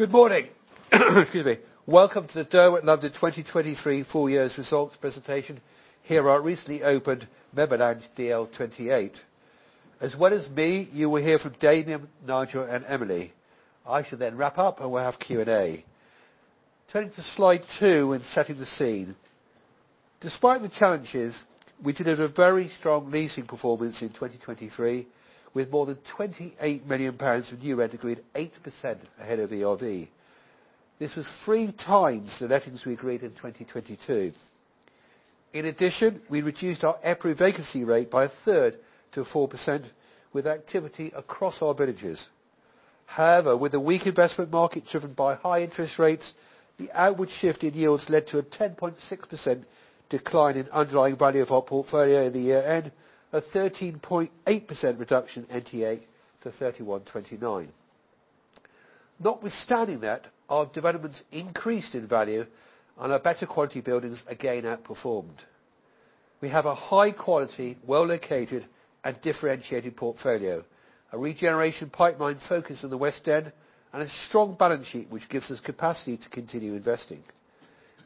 Good morning. Excuse me. Welcome to the Derwent London 2023 full-year results presentation here at our recently opened member lounge DL/28. As well as me, you will hear from Damian, Nigel, and Emily. I should then wrap up, and we'll have Q&A. Turning to slide two in setting the scene. Despite the challenges, we delivered a very strong leasing performance in 2023 with more than 28 million of new rent agreed, 8% ahead of ERV. This was three times the lettings we agreed in 2022. In addition, we reduced our EPRA vacancy rate by a third to 4% with activity across our villages. However, with a weak investment market driven by high interest rates, the outward shift in yields led to a 10.6% decline in underlying value of our portfolio in the year-end, a 13.8% reduction in EPRA NTA to 3,129. Notwithstanding that, our developments increased in value, and our better-quality buildings again outperformed. We have a high-quality, well-located, and differentiated portfolio, a regeneration pipeline focused on the West End, and a strong balance sheet which gives us capacity to continue investing.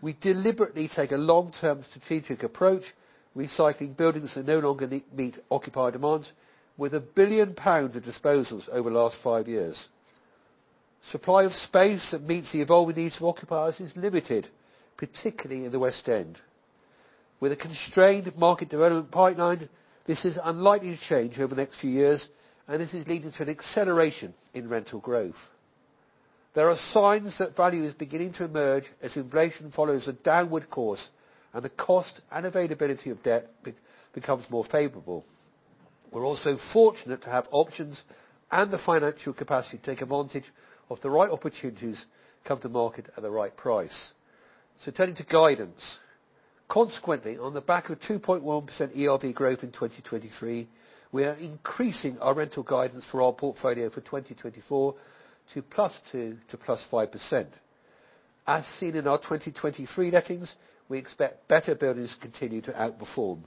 We deliberately take a long-term strategic approach, recycling buildings that no longer meet occupier demand with 1 billion pound of disposals over the last five years. Supply of space that meets the evolving needs of occupiers is limited, particularly in the West End. With a constrained market development pipeline, this is unlikely to change over the next few years, and this is leading to an acceleration in rental growth. There are signs that value is beginning to emerge as inflation follows a downward course, and the cost and availability of debt becomes more favorable. We're also fortunate to have options and the financial capacity to take advantage of the right opportunities come to market at the right price. So, turning to guidance. Consequently, on the back of 2.1% ERV growth in 2023, we are increasing our rental guidance for our portfolio for 2024 to +2% to +5%. As seen in our 2023 lettings, we expect better buildings to continue to outperform.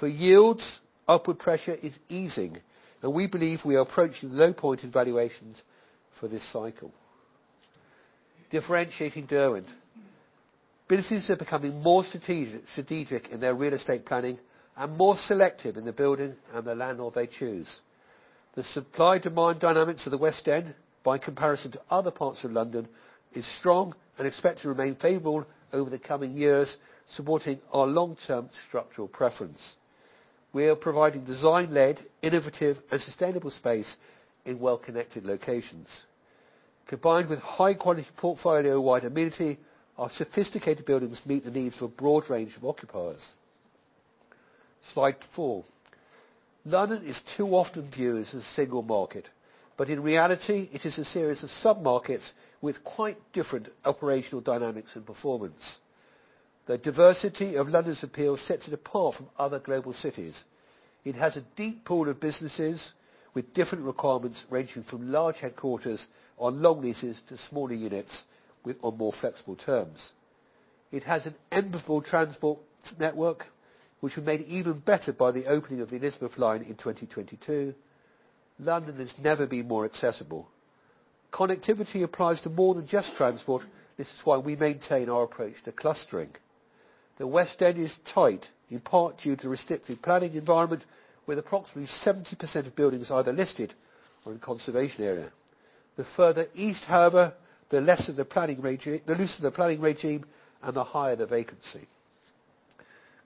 For yields, upward pressure is easing, and we believe we are approaching low-point evaluations for this cycle. Differentiating Derwent. Businesses are becoming more strategic in their real estate planning and more selective in the building and the landlord they choose. The supply-demand dynamics of the West End, by comparison to other parts of London, are strong and expect to remain favorable over the coming years, supporting our long-term structural preference. We are providing design-led, innovative, and sustainable space in well-connected locations. Combined with high-quality portfolio-wide amenity, our sophisticated buildings meet the needs of a broad range of occupiers. Slide four. London is too often viewed as a single market, but in reality, it is a series of submarkets with quite different operational dynamics and performance. The diversity of London's appeal sets it apart from other global cities. It has a deep pool of businesses with different requirements ranging from large headquarters on long leases to smaller units on more flexible terms. It has an ample transport network, which was made even better by the opening of the Elizabeth Line in 2022. London has never been more accessible. Connectivity applies to more than just transport. This is why we maintain our approach to clustering. The West End is tight, in part due to the restrictive planning environment, with approximately 70% of buildings either listed or in conservation area. The further East however the looser the planning regime, and the higher the vacancy.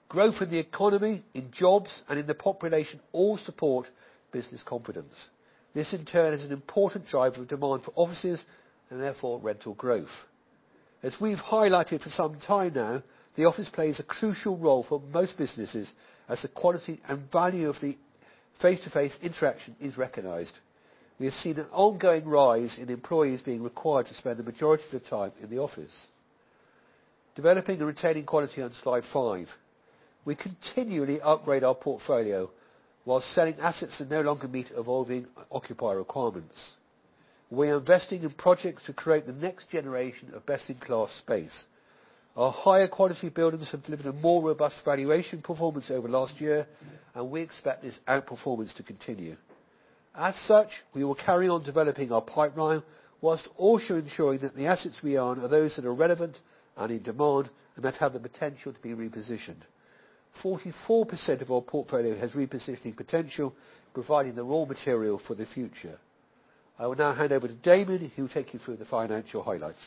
Growth in the economy, in jobs, and in the population all support business confidence. This, in turn, is an important driver of demand for offices and, therefore, rental growth. As we've highlighted for some time now, the office plays a crucial role for most businesses as the quality and value of the face-to-face interaction is recognized. We have seen an ongoing rise in employees being required to spend the majority of their time in the office. Developing and retaining quality on slide five. We continually upgrade our portfolio while selling assets that no longer meet evolving occupier requirements. We are investing in projects to create the next generation of best-in-class space. Our higher-quality buildings have delivered a more robust valuation performance over the last year, and we expect this outperformance to continue. As such, we will carry on developing our pipeline while also ensuring that the assets we own are those that are relevant and in demand and that have the potential to be repositioned. 44% of our portfolio has repositioning potential, providing the raw material for the future. I will now hand over to Damian, who will take you through the financial highlights.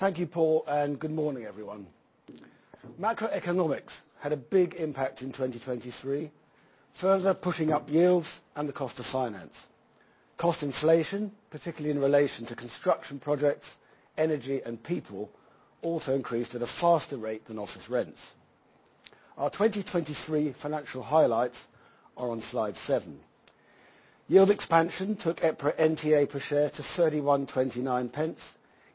Thank you, Paul, and good morning, everyone. Macroeconomics had a big impact in 2023, further pushing up yields and the cost of finance. Cost inflation, particularly in relation to construction projects, energy, and people, also increased at a faster rate than office rents. Our 2023 financial highlights are on slide 7. Yield expansion took EPRA NTA per share to 31.29,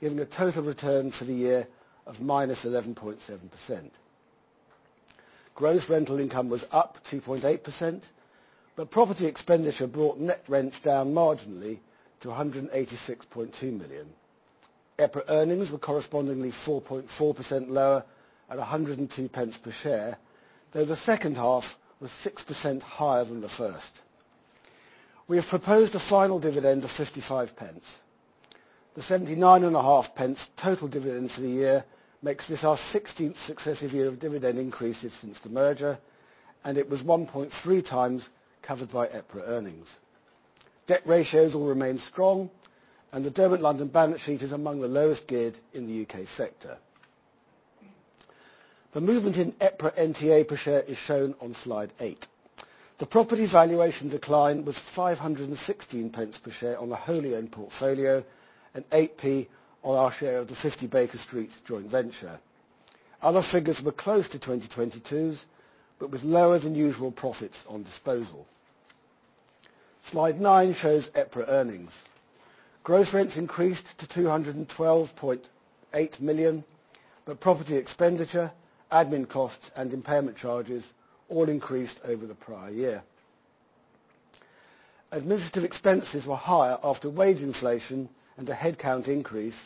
giving a total return for the year of -11.7%. Gross rental income was up 2.8%, but property expenditure brought net rents down marginally to 186.2 million. EPRA earnings were correspondingly 4.4% lower at 102 pence per share, though the second half was 6% higher than the first. We have proposed a final dividend of 0.55 pence. The 0.795 total dividend for the year makes this our 16th successive year of dividend increases since the merger, and it was 1.3 times covered by EPRA earnings. Debt ratios all remain strong, and the Derwent London balance sheet is among the lowest geared in the U.K. sector. The movement in EPRA NTA per share is shown on slide eight. The property valuation decline was 5.16 per share on the West End portfolio and 0.08 on our share of the 50 Baker Street joint venture. Other figures were close to 2022's but with lower-than-usual profits on disposal. Slide nine shows EPRA earnings. Gross rents increased to 212.8 million, but property expenditure, admin costs, and impairment charges all increased over the prior year. Administrative expenses were higher after wage inflation and a headcount increase,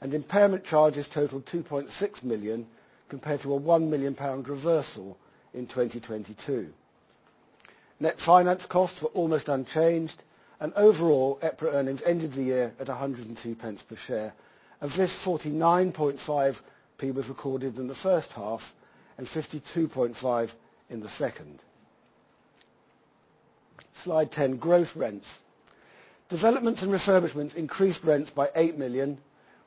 and impairment charges totaled 2.6 million compared to a 1 million pound reversal in 2022. Net finance costs were almost unchanged, and overall, EPRA earnings ended the year at 1.02 per share, of which 0.495 was recorded in the first half and 0.525 in the second. Slide 10. Growth rents. Developments and refurbishments increased rents by 8 million,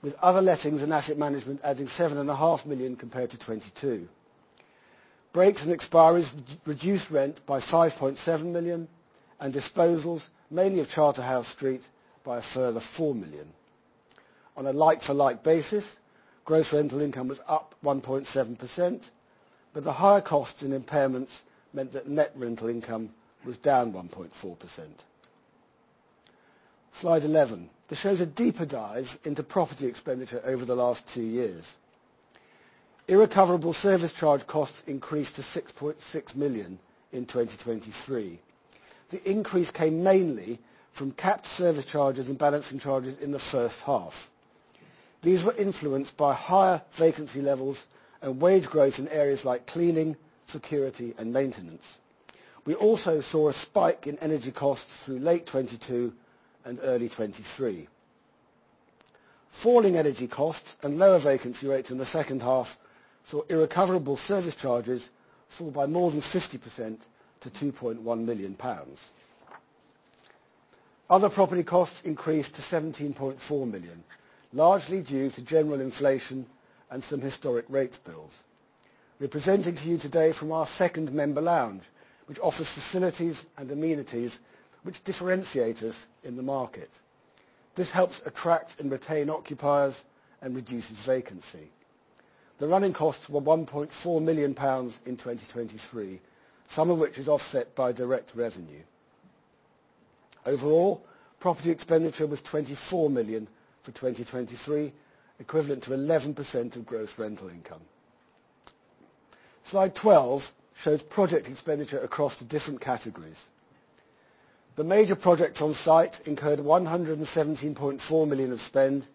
with other lettings and asset management adding 7.5 million compared to 2022. Breaks and expiries reduced rent by 5.7 million, and disposals, mainly of Charterhouse Street, by a further 4 million. On a like-for-like basis, gross rental income was up 1.7%, but the higher costs and impairments meant that net rental income was down 1.4%. Slide 11. This shows a deeper dive into property expenditure over the last two years. Irrecoverable service charge costs increased to 6.6 million in 2023. The increase came mainly from capped service charges and balancing charges in the first half. These were influenced by higher vacancy levels and wage growth in areas like cleaning, security, and maintenance. We also saw a spike in energy costs through late 2022 and early 2023. Falling energy costs and lower vacancy rates in the second half saw irrecoverable service charges fall by more than 50% to 2.1 million pounds. Other property costs increased to 17.4 million, largely due to general inflation and some historic rates bills. We're presenting to you today from our second member lounge, which offers facilities and amenities which differentiate us in the market. This helps attract and retain occupiers and reduces vacancy. The running costs were 1.4 million pounds in 2023, some of which is offset by direct revenue. Overall, property expenditure was 24 million for 2023, equivalent to 11% of gross rental income. Slide 12 shows project expenditure across the different categories. The major projects on site incurred 117.4 million of spend,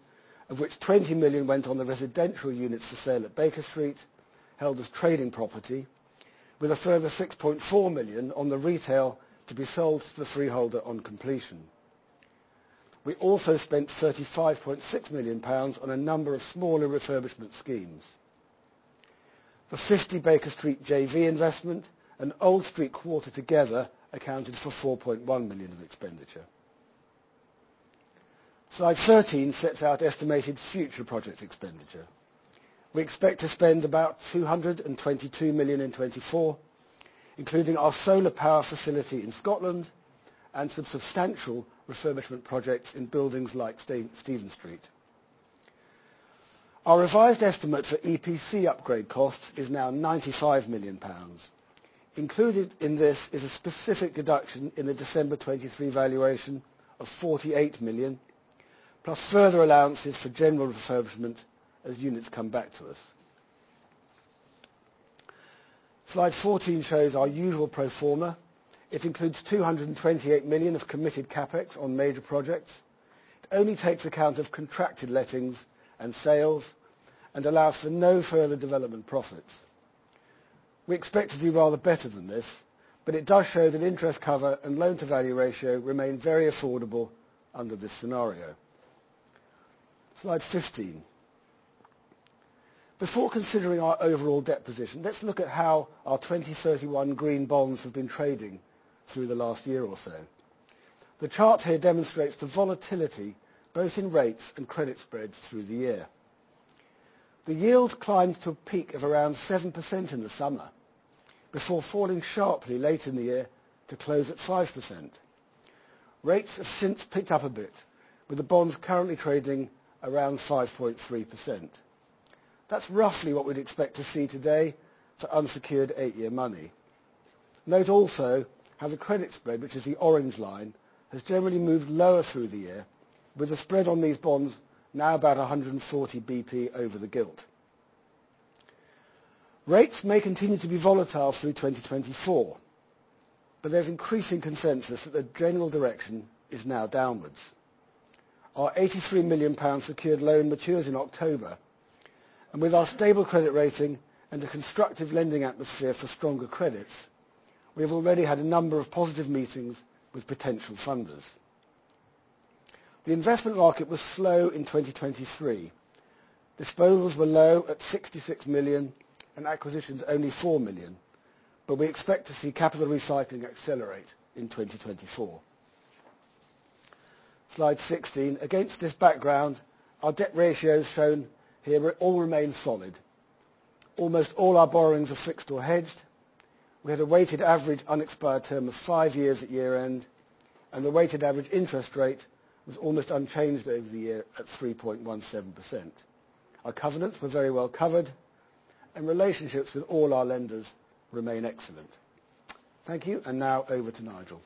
of which 20 million went on the residential units to sale at Baker Street, held as trading property, with a further 6.4 million on the retail to be sold to the freeholder on completion. We also spent 35.6 million pounds on a number of smaller refurbishment schemes. The 50 Baker Street JV investment and Old Street Quarter together accounted for 4.1 million of expenditure. Slide 13 sets out estimated future project expenditure. We expect to spend about 222 million in 2024, including our solar power facility in Scotland and some substantial refurbishment projects in buildings like Stephen Street. Our revised estimate for EPC upgrade costs is now 95 million pounds. Included in this is a specific deduction in the December 2023 valuation of 48 million, plus further allowances for general refurbishment as units come back to us. Slide 14 shows our usual pro forma. It includes 228 million of committed CapEx on major projects. It only takes account of contracted lettings and sales and allows for no further development profits. We expect to do rather better than this, but it does show that interest cover and loan-to-value ratio remain very affordable under this scenario. Slide 15. Before considering our overall debt position, let's look at how our 2031 green bonds have been trading through the last year or so. The chart here demonstrates the volatility both in rates and credit spreads through the year. The yield climbed to a peak of around 7% in the summer before falling sharply late in the year to close at 5%. Rates have since picked up a bit, with the bonds currently trading around 5.3%. That's roughly what we'd expect to see today for unsecured eight-year money. Note also how the credit spread, which is the orange line, has generally moved lower through the year, with the spread on these bonds now about 140 basis points over the gilt. Rates may continue to be volatile through 2024, but there's increasing consensus that the general direction is now downwards. Our 83 million pounds secured loan matures in October, and with our stable credit rating and a constructive lending atmosphere for stronger credits, we have already had a number of positive meetings with potential funders. The investment market was slow in 2023. Disposals were low at 66 million and acquisitions only 4 million, but we expect to see capital recycling accelerate in 2024. Slide 16. Against this background, our debt ratios shown here all remain solid. Almost all our borrowings are fixed or hedged. We had a weighted average unexpired term of five years at year-end, and the weighted average interest rate was almost unchanged over the year at 3.17%. Our covenants were very well covered, and relationships with all our lenders remain excellent. Thank you, and now over to Nigel.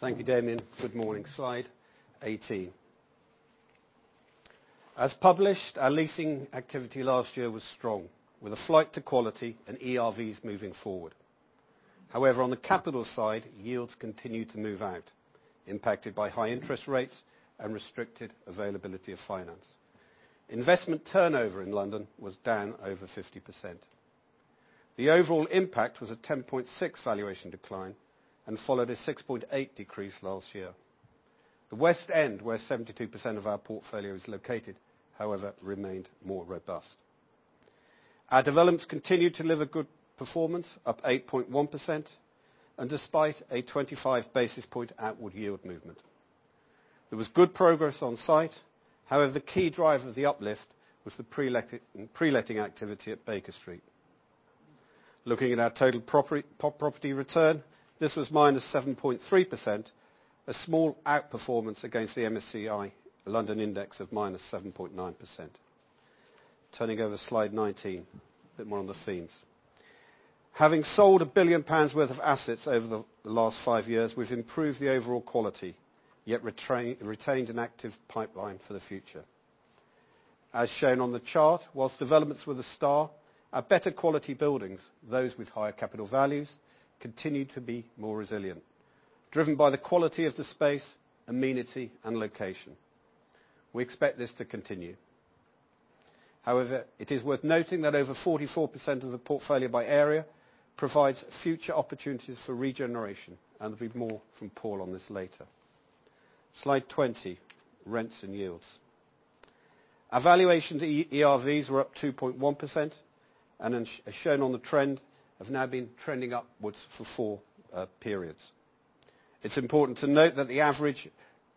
Thank you, Damian. Good morning. Slide 18. As published, our leasing activity last year was strong, with a flight to quality and ERVs moving forward. However, on the capital side, yields continued to move out, impacted by high interest rates and restricted availability of finance. Investment turnover in London was down over 50%. The overall impact was a 10.6% valuation decline and followed a 6.8% decrease last year. The West End, where 72% of our portfolio is located, however, remained more robust. Our developments continued to deliver good performance, up 8.1%, and despite a 25 basis point outward yield movement. There was good progress on site. However, the key driver of the uplift was the pre-letting activity at Baker Street. Looking at our total property return, this was -7.3%, a small outperformance against the MSCI London Index of -7.9%. Turning over slide 19, a bit more on the themes. Having sold 1 billion pounds worth of assets over the last five years, we've improved the overall quality yet retained an active pipeline for the future. As shown on the chart, while developments were the star, our better-quality buildings, those with higher capital values, continue to be more resilient, driven by the quality of the space, amenity, and location. We expect this to continue. However, it is worth noting that over 44% of the portfolio by area provides future opportunities for regeneration, and there'll be more from Paul on this later. Slide 20. Rents and yields. Our valuations of ERVs were up 2.1%, and as shown on the trend, have now been trending upwards for four periods. It's important to note that the average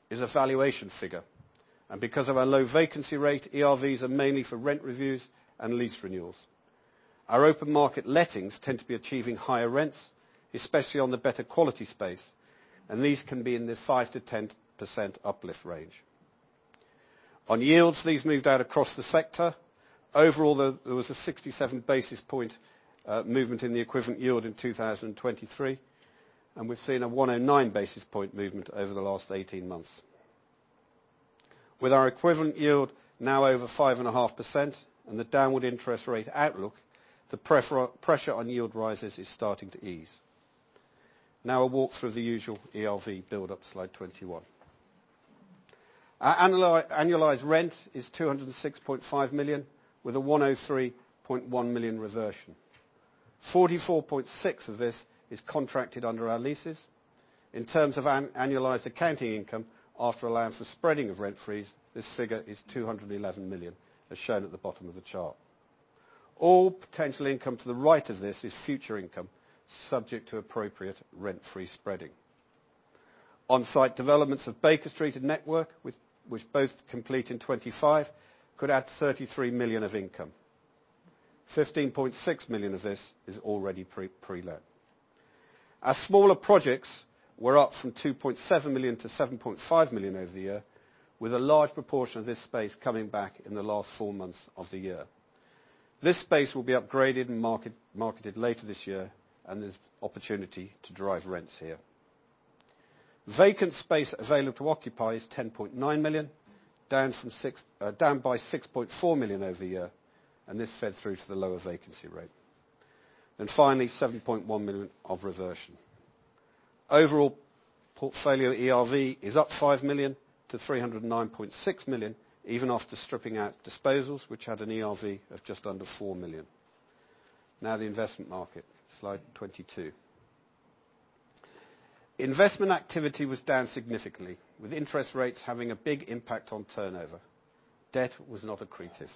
is a valuation figure, and because of our low vacancy rate, ERVs are mainly for rent reviews and lease renewals. Our open market lettings tend to be achieving higher rents, especially on the better-quality space, and these can be in the 5%-10% uplift range. On yields, these moved out across the sector. Overall, there was a 67 basis point movement in the equivalent yield in 2023, and we've seen a 109 basis point movement over the last 18 months. With our equivalent yield now over 5.5% and the downward interest rate outlook, the pressure on yield rises is starting to ease. Now a walk through the usual ERV buildup, slide 21. Our annualized rent is 206.5 million with a 103.1 million reversion. 44.6 million of this is contracted under our leases. In terms of annualized accounting income, after allowing for spreading of rent frees, this figure is 211 million, as shown at the bottom of the chart. All potential income to the right of this is future income, subject to appropriate rent free spreading. On-site developments of Baker Street and Network, which both complete in 2025, could add 33 million of income. 15.6 million of this is already pre-let. Our smaller projects were up from 2.7 million to 7.5 million over the year, with a large proportion of this space coming back in the last four months of the year. This space will be upgraded and marketed later this year, and there's opportunity to drive rents here. Vacant space available to occupy is 10.9 million, down by 6.4 million over the year, and this fed through to the lower vacancy rate. Finally, 7.1 million of reversion. Overall portfolio ERV is up 5 million to 309.6 million, even after stripping out disposals, which had an ERV of just under 4 million. Now the investment market, Slide 22. Investment activity was down significantly, with interest rates having a big impact on turnover. Debt was not accretive,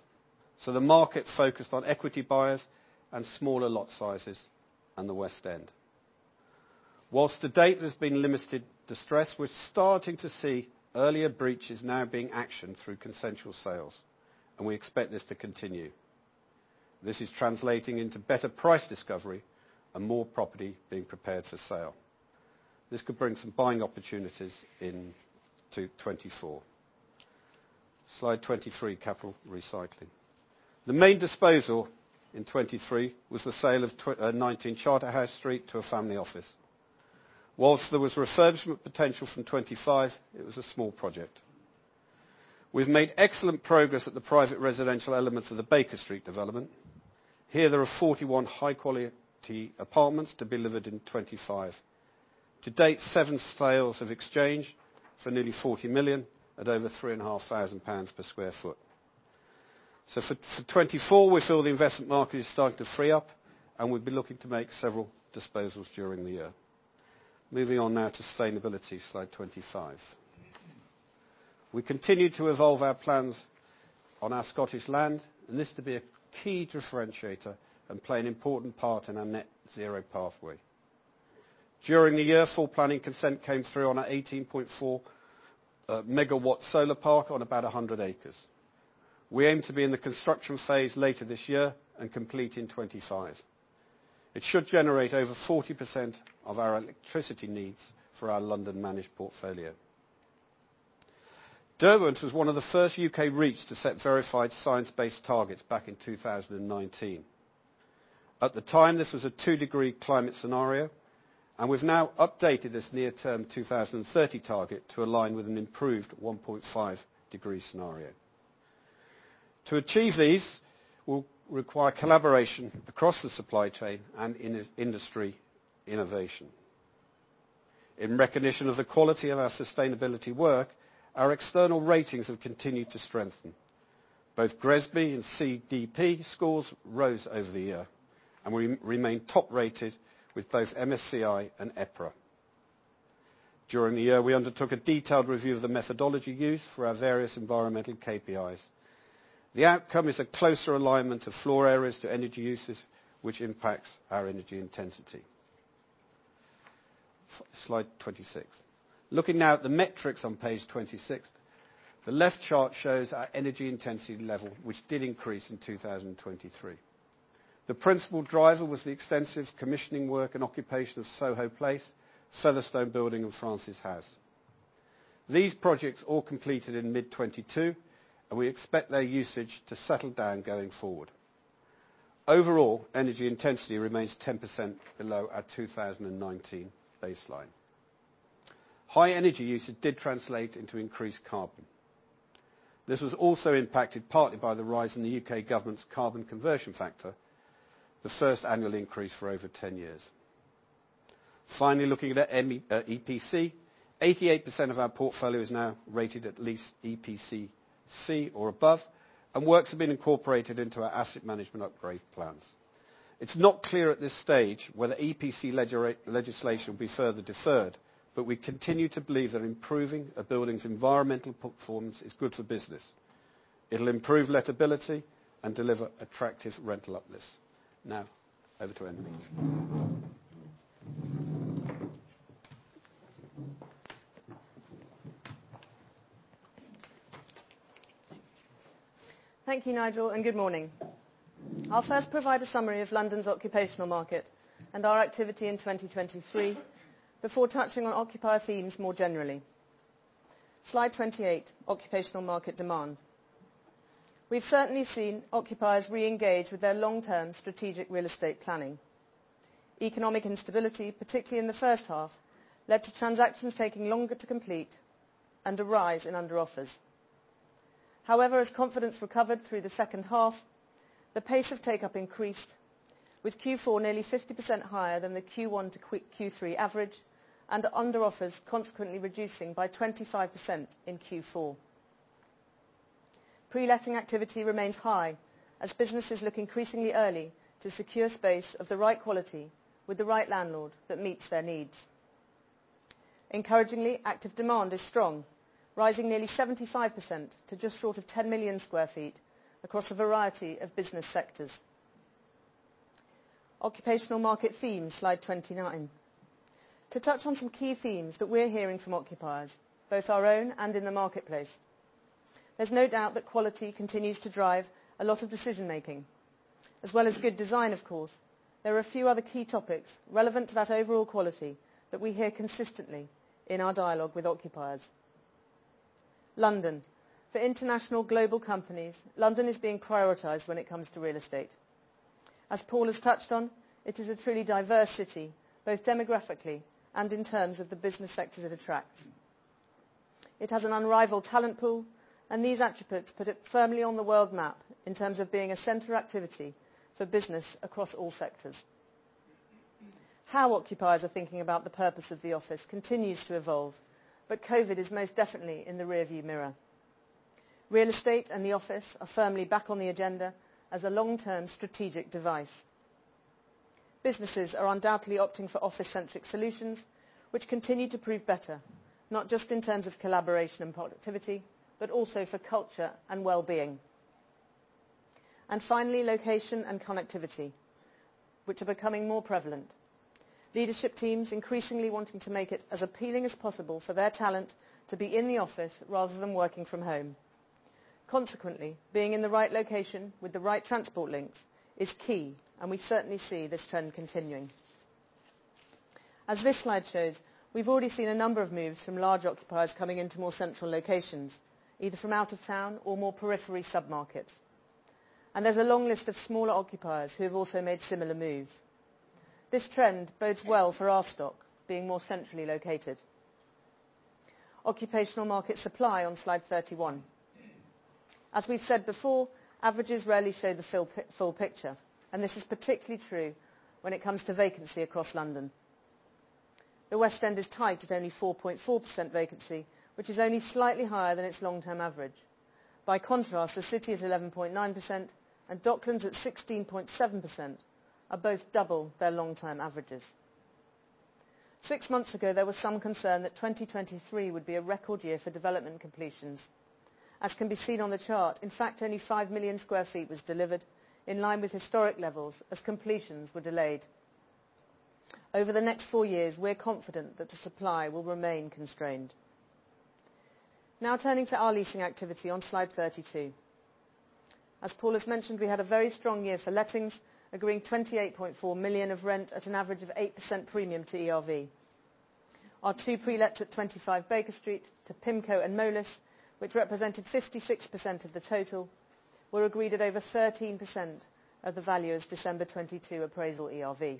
so the market focused on equity buyers and smaller lot sizes and the West End. While to date there's been limited distress, we're starting to see earlier breaches now being actioned through consensual sales, and we expect this to continue. This is translating into better price discovery and more property being prepared for sale. This could bring some buying opportunities in 2024. Slide 23. Capital recycling. The main disposal in 2023 was the sale of 19 Charterhouse Street to a family office. While there was refurbishment potential from 2025, it was a small project. We've made excellent progress at the private residential elements of the Baker Street development. Here, there are 41 high-quality apartments to be delivered in 2025. To date, seven sales have exchanged for nearly 40 million at over 3,500 pounds per sq ft. So for 2024, we feel the investment market is starting to free up, and we'll be looking to make several disposals during the year. Moving on now to sustainability, slide 25. We continue to evolve our plans on our Scottish land, and this to be a key differentiator and play an important part in our net zero pathway. During the year, full planning consent came through on our 18.4 mW solar park on about 100 acres. We aim to be in the construction phase later this year and complete in 2025. It should generate over 40% of our electricity needs for our London-managed portfolio. Derwent was one of the first UK REITs to set verified science-based targets back in 2019. At the time, this was a two-degree climate scenario, and we've now updated this near-term 2030 target to align with an improved 1.5-degree scenario. To achieve these, we'll require collaboration across the supply chain and industry innovation. In recognition of the quality of our sustainability work, our external ratings have continued to strengthen. Both GRESB and CDP scores rose over the year, and we remain top-rated with both MSCI and EPRA. During the year, we undertook a detailed review of the methodology used for our various environmental KPIs. The outcome is a closer alignment of floor areas to energy uses, which impacts our energy intensity. Slide 26. Looking now at the metrics on page 26, the left chart shows our energy intensity level, which did increase in 2023. The principal driver was the extensive commissioning work and occupation of Soho Place, Featherstone Building, and Francis House. These projects all completed in mid-2022, and we expect their usage to settle down going forward. Overall, energy intensity remains 10% below our 2019 baseline. High energy usage did translate into increased carbon. This was also impacted partly by the rise in the U.K. government's carbon conversion factor, the first annual increase for over 10 years. Finally, looking at EPC, 88% of our portfolio is now rated at least EPC-C or above, and works have been incorporated into our asset management upgrade plans. It's not clear at this stage whether EPC legislation will be further deferred, but we continue to believe that improving a building's environmental performance is good for business. It'll improve lettability and deliver attractive rental uplifts. Now over to Emily Prideaux. Thank you, Nigel, and good morning. I'll first provide a summary of London's occupational market and our activity in 2023 before touching on occupier themes more generally. Slide 28. Occupational market demand. We've certainly seen occupiers re-engage with their long-term strategic real estate planning. Economic instability, particularly in the first half, led to transactions taking longer to complete and a rise in under-offers. However, as confidence recovered through the second half, the pace of take-up increased, with Q4 nearly 50% higher than the Q1 to Q3 average and under-offers consequently reducing by 25% in Q4. Pre-letting activity remains high as businesses look increasingly early to secure space of the right quality with the right landlord that meets their needs. Encouragingly, active demand is strong, rising nearly 75% to just short of 10 million sq ft across a variety of business sectors. Occupational market theme, slide 29. To touch on some key themes that we're hearing from occupiers, both our own and in the marketplace, there's no doubt that quality continues to drive a lot of decision-making. As well as good design, of course, there are a few other key topics relevant to that overall quality that we hear consistently in our dialogue with occupiers. London. For international global companies, London is being prioritized when it comes to real estate. As Paul has touched on, it is a truly diverse city, both demographically and in terms of the business sectors it attracts. It has an unrivaled talent pool, and these attributes put it firmly on the world map in terms of being a center activity for business across all sectors. How occupiers are thinking about the purpose of the office continues to evolve, but COVID is most definitely in the rearview mirror. Real estate and the office are firmly back on the agenda as a long-term strategic device. Businesses are undoubtedly opting for office-centric solutions, which continue to prove better, not just in terms of collaboration and productivity, but also for culture and well-being. Finally, location and connectivity, which are becoming more prevalent. Leadership teams increasingly wanting to make it as appealing as possible for their talent to be in the office rather than working from home. Consequently, being in the right location with the right transport links is key, and we certainly see this trend continuing. As this slide shows, we've already seen a number of moves from large occupiers coming into more central locations, either from out of town or more periphery submarkets. There's a long list of smaller occupiers who have also made similar moves. This trend bodes well for our stock, being more centrally located. Occupational market supply on slide 31. As we've said before, averages rarely show the full picture, and this is particularly true when it comes to vacancy across London. The West End is tight at only 4.4% vacancy, which is only slightly higher than its long-term average. By contrast, the city is 11.9%, and Docklands at 16.7% are both double their long-term averages. Six months ago, there was some concern that 2023 would be a record year for development completions. As can be seen on the chart, in fact, only 5 million sq ft was delivered, in line with historic levels as completions were delayed. Over the next four years, we're confident that the supply will remain constrained. Now turning to our leasing activity on slide 32. As Paul has mentioned, we had a very strong year for lettings, agreeing 28.4 million of rent at an average of 8% premium to ERV. Our two pre-lets at 25 Baker Street to PIMCO and Moelis, which represented 56% of the total, were agreed at over 13% of the valuers' TDecember 2022 appraisal ERV.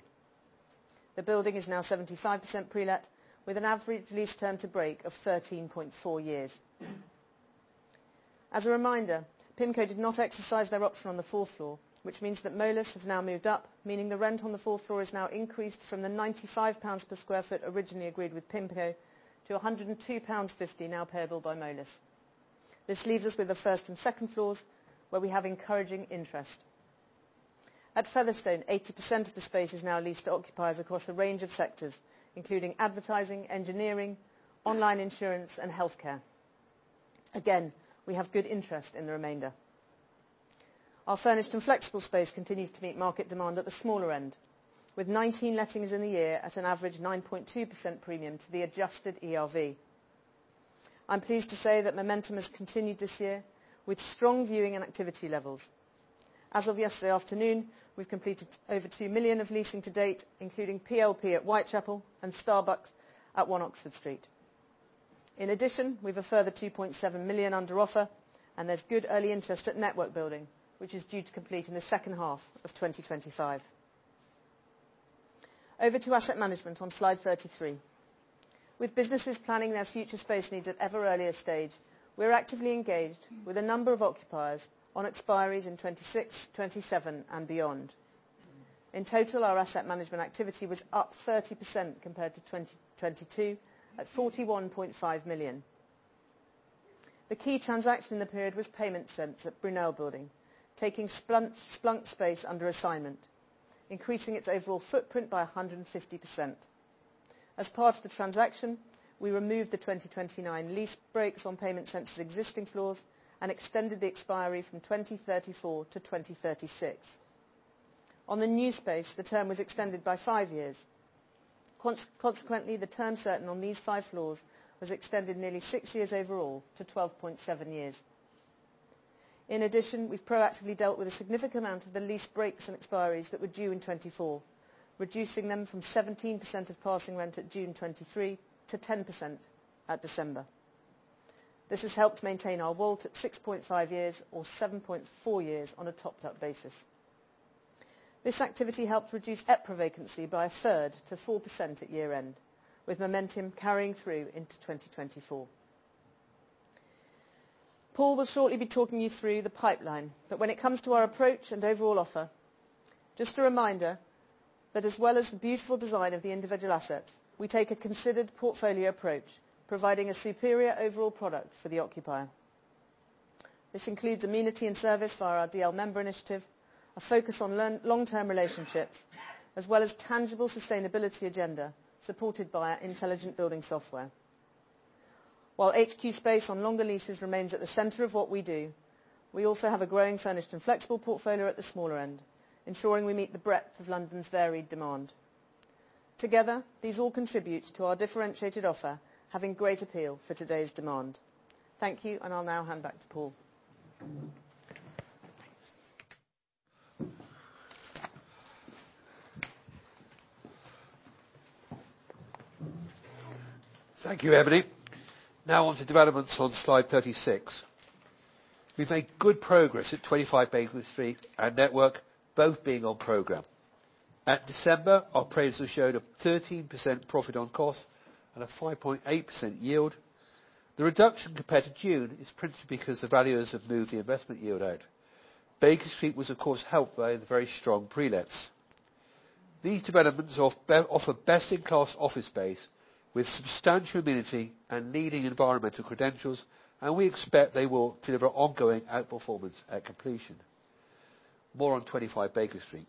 The building is now 75% pre-let, with an average lease term to break of 13.4 years. As a reminder, PIMCO did not exercise their option on the fourth floor, which means that Moelis have now moved up, meaning the rent on the fourth floor is now increased from the 95 pounds per sq ft originally agreed with PIMCO to 102.50 pounds now payable by Moelis. This leaves us with the first and second floors, where we have encouraging interest. At Featherstone, 80% of the space is now leased to occupiers across a range of sectors, including advertising, engineering, online insurance, and healthcare. Again, we have good interest in the remainder. Our furnished and flexible space continues to meet market demand at the smaller end, with 19 lettings in the year at an average 9.2% premium to the adjusted ERV. I'm pleased to say that momentum has continued this year, with strong viewing and activity levels. As of yesterday afternoon, we've completed over 2 million of leasing to date, including PLP at Whitechapel and Starbucks at 1 Oxford Street. In addition, we have a further 2.7 million under-offer, and there's good early interest at Network Building, which is due to complete in the second half of 2025. Over to asset management on slide 33. With businesses planning their future space needs at ever earliest stage, we're actively engaged with a number of occupiers on expiries in 2026, 2027, and beyond. In total, our asset management activity was up 30% compared to 2022 at 41.5 million. The key transaction in the period was Paymentsense at Brunel Building, taking Splunk space under assignment, increasing its overall footprint by 150%. As part of the transaction, we removed the 2029 lease breaks on Paymentsense's existing floors and extended the expiry from 2034 to 2036. On the new space, the term was extended by five years. Consequently, the term certain on these five floors was extended nearly six years overall to 12.7 years. In addition, we've proactively dealt with a significant amount of the lease breaks and expiries that were due in 2024, reducing them from 17% of passing rent at June 2023 to 10% at December. This has helped maintain our WALT at 6.5 years, or 7.4 years, on a topped-up basis. This activity helped reduce EPRA vacancy by a third to 4% at year-end, with momentum carrying through into 2024. Paul will shortly be talking you through the pipeline, but when it comes to our approach and overall offer, just a reminder that as well as the beautiful design of the individual assets, we take a considered portfolio approach, providing a superior overall product for the occupier. This includes amenity and service via our DL/Member Initiative, a focus on long-term relationships, as well as a tangible sustainability agenda supported by our intelligent building software. While HQ space on longer leases remains at the center of what we do, we also have a growing furnished and flexible portfolio at the smaller end, ensuring we meet the breadth of London's varied demand. Together, these all contribute to our differentiated offer, having great appeal for today's demand. Thank you, and I'll now hand back to Paul. Thank you, Emily. Now onto developments on slide 36. We've made good progress at 25 Baker Street and Network, both being on program. At December, our appraisals showed a 13% profit on cost and a 5.8% yield. The reduction compared to June is principally because the values have moved the investment yield out. Baker Street was, of course, helped by the very strong pre-lets. These developments offer best-in-class office space with substantial amenity and leading environmental credentials, and we expect they will deliver ongoing outperformance at completion. More on 25 Baker Street.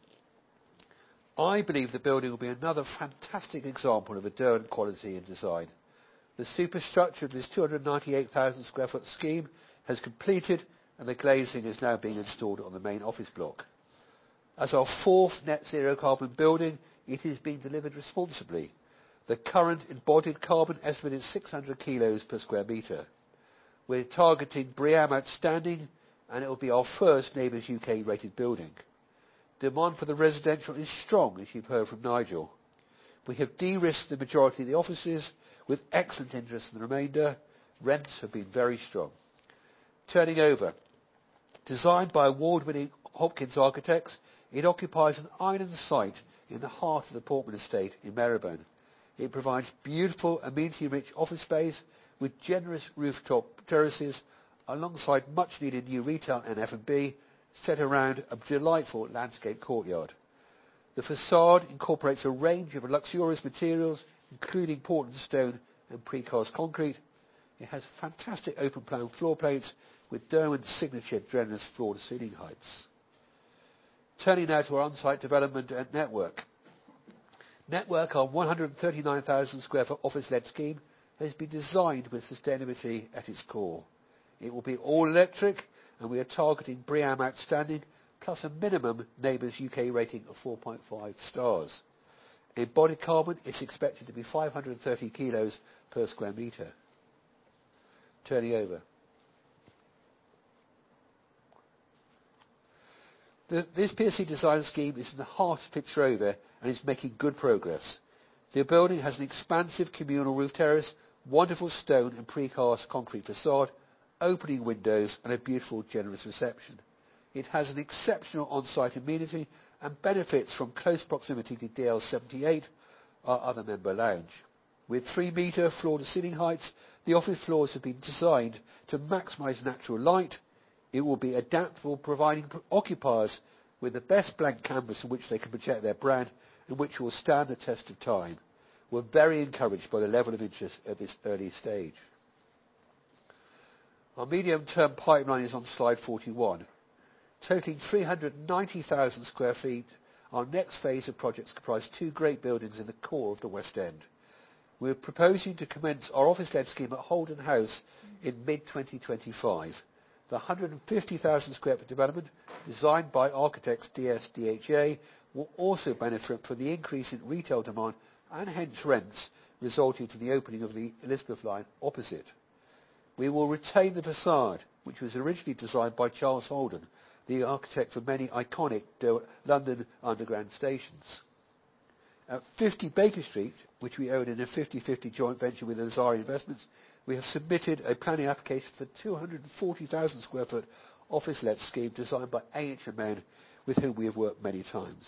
I believe the building will be another fantastic example of a Derwent quality and design. The superstructure of this 298,000 sq ft scheme has completed, and the glazing is now being installed on the main office block. As our fourth net-zero carbon building, it is being delivered responsibly. The current embodied carbon estimate is 600 kg per sq m. We're targeting BREEAM Outstanding, and it will be our first NABERS UK rated building. Demand for the residential is strong, as you've heard from Nigel. We have de-risked the majority of the offices with excellent interest in the remainder. Rents have been very strong. Turning over. Designed by award-winning Hopkins Architects, it occupies an island site in the heart of the Portman Estate in Marylebone. It provides beautiful, amenity-rich office space with generous rooftop terraces alongside much-needed new retail and F&B set around a delightful landscaped courtyard. The façade incorporates a range of luxurious materials, including Portland stone and pre-carved concrete. It has fantastic open-plan floor plates with Derwent's signature generous floor-to-ceiling heights. Turning now to our on-site development at Network. Network, our 139,000 sq ft office-led scheme, has been designed with sustainability at its core. It will be all-electric, and we are targeting BREEAM outstanding, plus a minimum NABERS UK rating of 4.5 stars. Embodied carbon is expected to be 530 kilos per square meter. Turning over. This 25 design scheme is in the heart of Fitzrovia, and it's making good progress. The building has an expansive communal roof terrace, wonderful stone and pre-carved concrete façade, opening windows, and a beautiful, generous reception. It has an exceptional on-site amenity and benefits from close proximity to DL/78, our other member lounge. With 3 m floor-to-ceiling heights, the office floors have been designed to maximize natural light. It will be adaptable, providing occupiers with the best blank canvas in which they can project their brand and which will stand the test of time. We're very encouraged by the level of interest at this early stage. Our medium-term pipeline is on slide 41. Totaling 390,000 sq ft, our next phase of projects comprise two great buildings in the core of the West End. We're proposing to commence our office-led scheme at Holden House in mid-2025. The 150,000 sq ft development designed by architects DSDHA will also benefit from the increase in retail demand and hence rents resulting from the opening of the Elizabeth Line opposite. We will retain the façade, which was originally designed by Charles Holden, the architect for many iconic London underground stations. At 50 Baker Street, which we own in a 50/50 joint venture with Lazari Investments, we have submitted a planning application for a 240,000 sq ft office-led scheme designed by AHMM, with whom we have worked many times.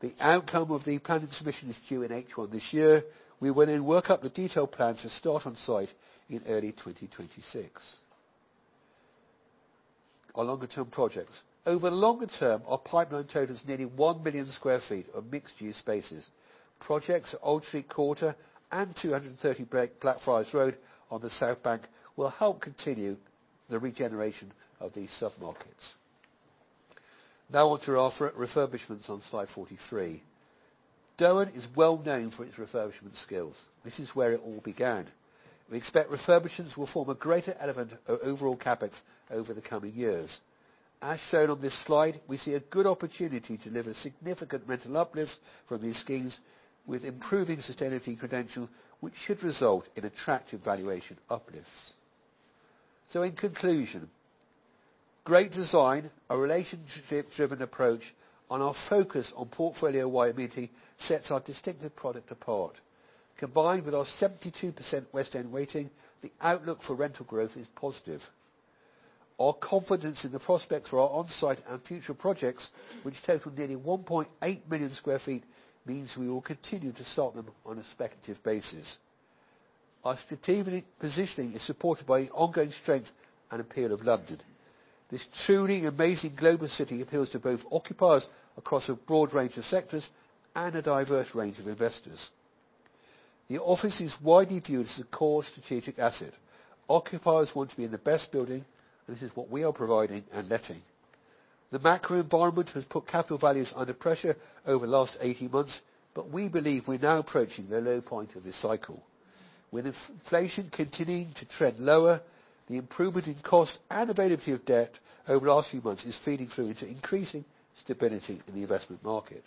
The outcome of the planning submission is due in H1 this year. We will then work up the detailed plan to start on site in early 2026. Our longer-term projects. Over the longer term, our pipeline totals nearly 1 million sq ft of mixed-use spaces. Projects at Old Street Quarter and 230 Blackfriars Road on the South Bank will help continue the regeneration of these submarkets. Now onto refurbishments on slide 43. Derwent is well-known for its refurbishment skills. This is where it all began. We expect refurbishments will form a greater element of overall CapEx over the coming years. As shown on this slide, we see a good opportunity to deliver significant rental uplifts from these schemes with improving sustainability credentials, which should result in attractive valuation uplifts. So in conclusion, great design, a relationship-driven approach, and our focus on portfolio-wide amenity sets our distinctive product apart. Combined with our 72% West End rating, the outlook for rental growth is positive. Our confidence in the prospects for our on-site and future projects, which total nearly 1.8 million sq ft, means we will continue to start them on a speculative basis. Our strategic positioning is supported by ongoing strength and appeal of London. This truly amazing global city appeals to both occupiers across a broad range of sectors and a diverse range of investors. The office is widely viewed as a core strategic asset. Occupiers want to be in the best building, and this is what we are providing and letting. The macro environment has put capital values under pressure over the last 18 months, but we believe we're now approaching the low point of this cycle. With inflation continuing to trend lower, the improvement in cost and availability of debt over the last few months is feeding through into increasing stability in the investment market.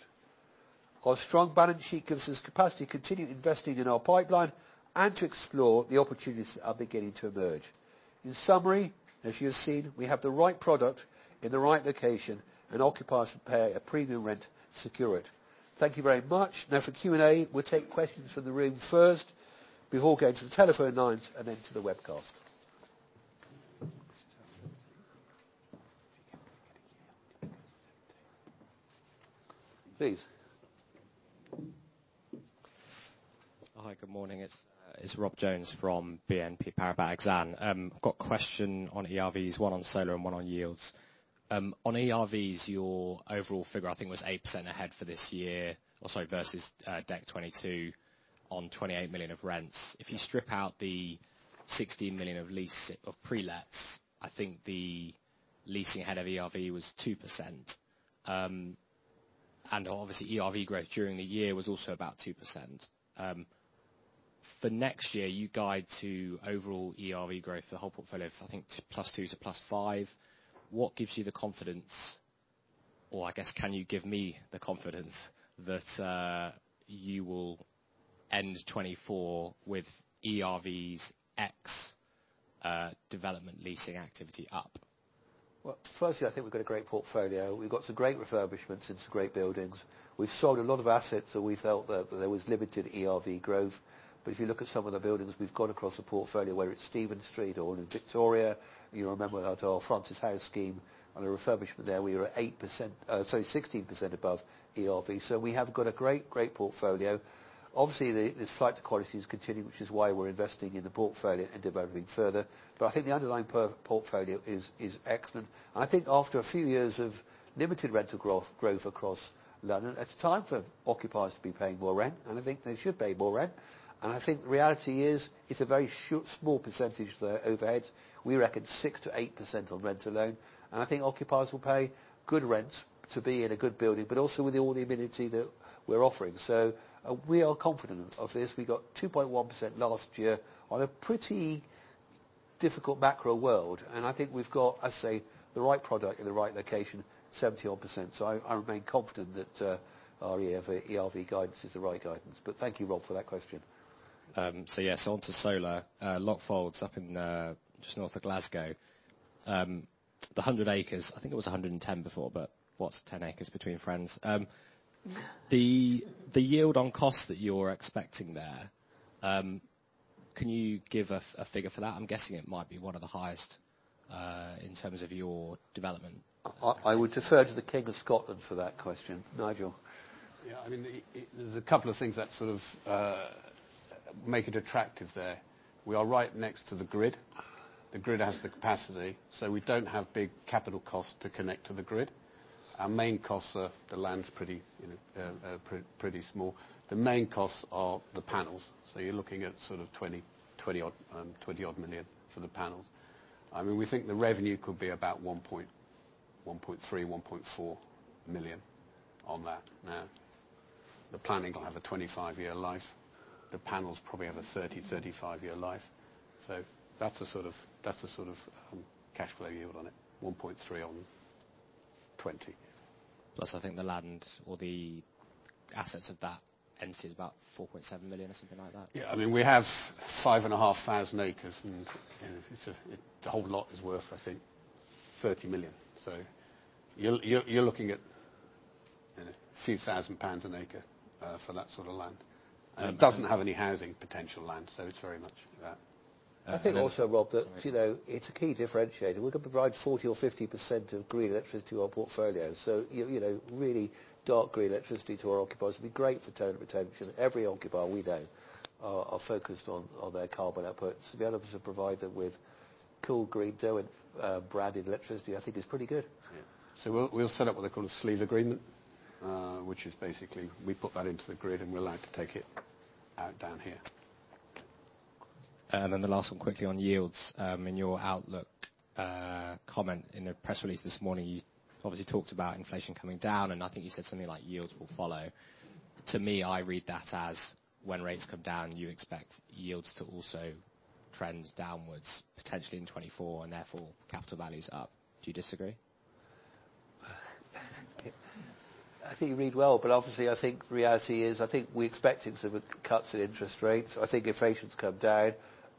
Our strong balance sheet gives us capacity to continue investing in our pipeline and to explore the opportunities that are beginning to emerge. In summary, as you have seen, we have the right product in the right location, and occupiers pay a premium rent secure it. Thank you very much. Now for Q&A, we'll take questions from the room first before going to the telephone lines and then to the webcast. Please. Hi, good morning. It's Rob Jones from BNP Paribas Exane. I've got a question on ERVs, one on solar and one on yields. On ERVs, your overall figure, I think, was 8% ahead for this year versus Dec. 2022 on 28 million of rents. If you strip out the 16 million of pre-lets, I think the leasing ahead of ERV was 2%. And obviously, ERV growth during the year was also about 2%. For next year, you guide to overall ERV growth, the whole portfolio, I think, +2% to +5%. What gives you the confidence, or I guess can you give me the confidence that you will end 2024 with ERVs ex development leasing activity up? Well, firstly, I think we've got a great portfolio. We've got some great refurbishments in some great buildings. We've sold a lot of assets that we felt that there was limited ERV growth. But if you look at some of the buildings we've got across the portfolio, whether it's Stephen Street or in Victoria, you remember our Francis House scheme on a refurbishment there, we were at 8% sorry, 16% above ERV. So we have got a great, great portfolio. Obviously, this flight to quality is continuing, which is why we're investing in the portfolio and developing further. But I think the underlying portfolio is excellent. And I think after a few years of limited rental growth across London, it's time for occupiers to be paying more rent, and I think they should pay more rent. And I think the reality is it's a very small percentage there overhead. We reckon 6%-8% on rental growth. And I think occupiers will pay good rents to be in a good building, but also with all the amenities that we're offering. So we are confident of this. We got 2.1% last year on a pretty difficult macro world. And I think we've got, as I say, the right product in the right location, 70-odd%. So I remain confident that our ERV guidance is the right guidance. But thank you, Rob, for that question. So yes, onto solar. Lochfauld up just north of Glasgow. The 100 acres, I think it was 110 before, but what's 10 acres between friends? The yield on cost that you're expecting there, can you give a figure for that? I'm guessing it might be one of the highest in terms of your development. I would defer to the King of Scotland for that question. Nigel. Yeah, I mean, there's a couple of things that sort of make it attractive there. We are right next to the grid. The grid has the capacity, so we don't have big capital costs to connect to the grid. Our main costs are the land's pretty small. The main costs are the panels. So you're looking at sort of 20-odd million for the panels. I mean, we think the revenue could be about 1.3 million-1.4 million on that. Now, the planning will have a 25-year life. The panels probably have a 30-35-year life. So that's a sort of cash flow yield on it, 1.3 on 20. Plus, I think the land or the assets of that entity is about 4.7 million or something like that. Yeah, I mean, we have 5,500 acres, and the whole lot is worth, I think, 30 million. So you're looking at a few thousand GBP an acre for that sort of land. And it doesn't have any housing potential land, so it's very much that. I think also, Rob, that it's a key differentiator. We're going to provide 40%-50% of green electricity to our portfolio. So really dark green electricity to our occupiers would be great for total retention. Every occupier we know are focused on their carbon outputs. The others who provide them with cool green Derwent branded electricity, I think, is pretty good. We'll set up what they call a sleeve agreement, which is basically we put that into the grid, and we're allowed to take it out down here. Then the last one quickly on yields. In your outlook comment in a press release this morning, you obviously talked about inflation coming down, and I think you said something like yields will follow. To me, I read that as when rates come down, you expect yields to also trend downwards, potentially in 2024, and therefore capital values up. Do you disagree? I think you read well, but obviously, I think the reality is I think we expect sort of cuts in interest rates. I think inflation's come down.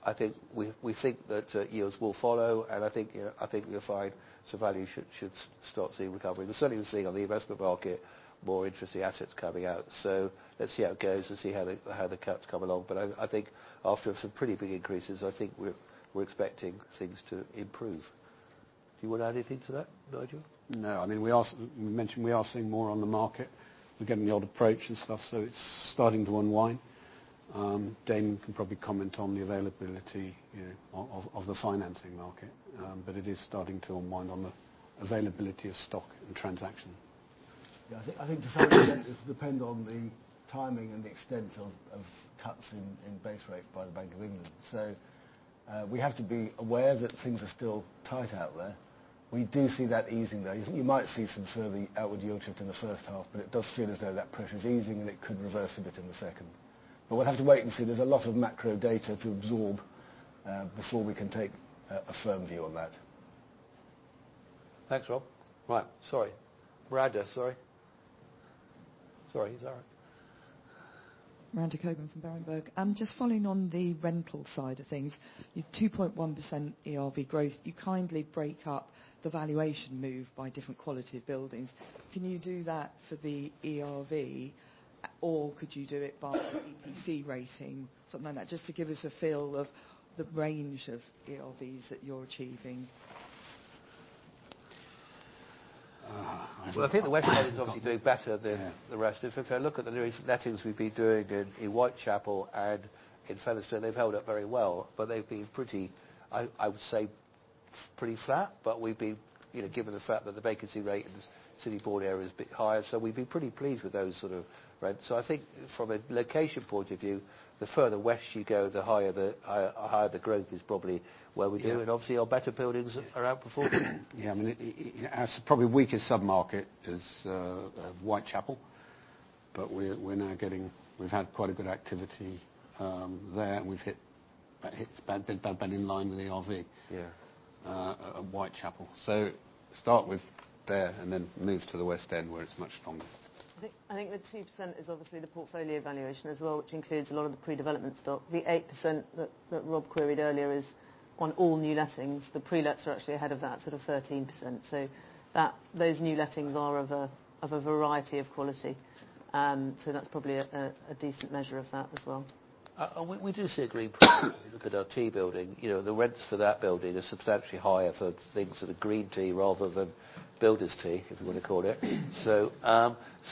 I think we think that yields will follow, and I think we'll find some value should start seeing recovery. We're certainly seeing on the investment market more interesting assets coming out. So let's see how it goes and see how the cuts come along. But I think after some pretty big increases, I think we're expecting things to improve. Do you want to add anything to that, Nigel? No, I mean, we mentioned we are seeing more on the market. We're getting the old approach and stuff, so it's starting to unwind. Damian can probably comment on the availability of the financing market, but it is starting to unwind on the availability of stock and transaction. Yeah, I think to some extent it's dependent on the timing and the extent of cuts in base rates by the Bank of England. So we have to be aware that things are still tight out there. We do see that easing, though. You might see some further outward yield shift in the first half, but it does feel as though that pressure's easing, and it could reverse a bit in the second. But we'll have to wait and see. There's a lot of macro data to absorb before we can take a firm view on that. Thanks, Rob. Right, sorry. Randa, sorry. Sorry, is that all right? Randa Cohen from Berenberg. Just following on the rental side of things, 2.1% ERV growth. You kindly break up the valuation move by different quality of buildings. Can you do that for the ERV, or could you do it by EPC rating, something like that, just to give us a feel of the range of ERVs that you're achieving? Well, I think the West End is obviously doing better than the rest. If I look at the new lettings we've been doing in Whitechapel and in Featherstone, they've held up very well, but they've been pretty, I would say, pretty flat. But we've been, given the fact that the vacancy rate in the City board area is a bit higher, so we've been pretty pleased with those sort of rents. So I think from a location point of view, the further west you go, the higher the growth is probably where we do. And obviously, our better buildings are outperforming. Yeah, I mean, our probably weakest submarket is Whitechapel, but we're now getting we've had quite a good activity there, and we've hit bad, bad, bad, bad in line with the ERV at Whitechapel. So start with there and then move to the West End where it's much stronger. I think the 2% is obviously the portfolio valuation as well, which includes a lot of the pre-development stock. The 8% that Rob queried earlier is on all new lettings. The pre-lets are actually ahead of that, sort of 13%. Those new lettings are of a variety of quality. That's probably a decent measure of that as well. We do see a green premium. If you look at our Tea Building, the rents for that building are substantially higher for things that are green tea rather than builders' tea, if you want to call it.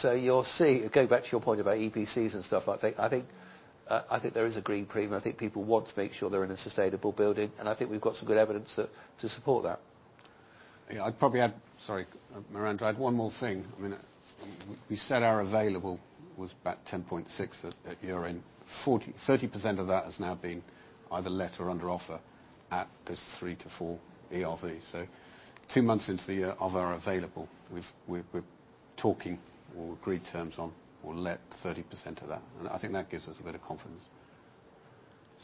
So you'll see going back to your point about EPCs and stuff like that, I think there is a green premium. I think people want to make sure they're in a sustainable building, and I think we've got some good evidence to support that. Yeah, I'd probably add, sorry, Miranda, I'd add one more thing. I mean, we said our available was about 10.6 at year-end. 30% of that has now been either let or under offer at those 3-4 ERVs. So two months into the year of our available, we're talking or agreed terms on or let 30% of that. And I think that gives us a bit of confidence.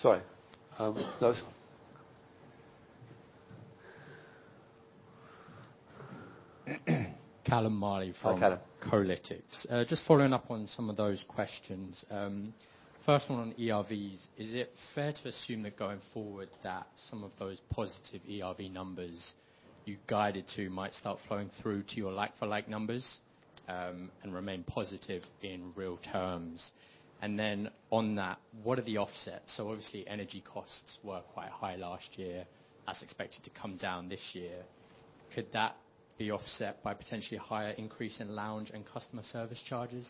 Sorry. Those. Callum Marley from Kolytics. Just following up on some of those questions. First one on ERVs. Is it fair to assume that going forward, that some of those positive ERV numbers you guided to might start flowing through to your like-for-like numbers and remain positive in real terms? And then on that, what are the offsets? So obviously, energy costs were quite high last year. That's expected to come down this year. Could that be offset by potentially a higher increase in lounge and customer service charges?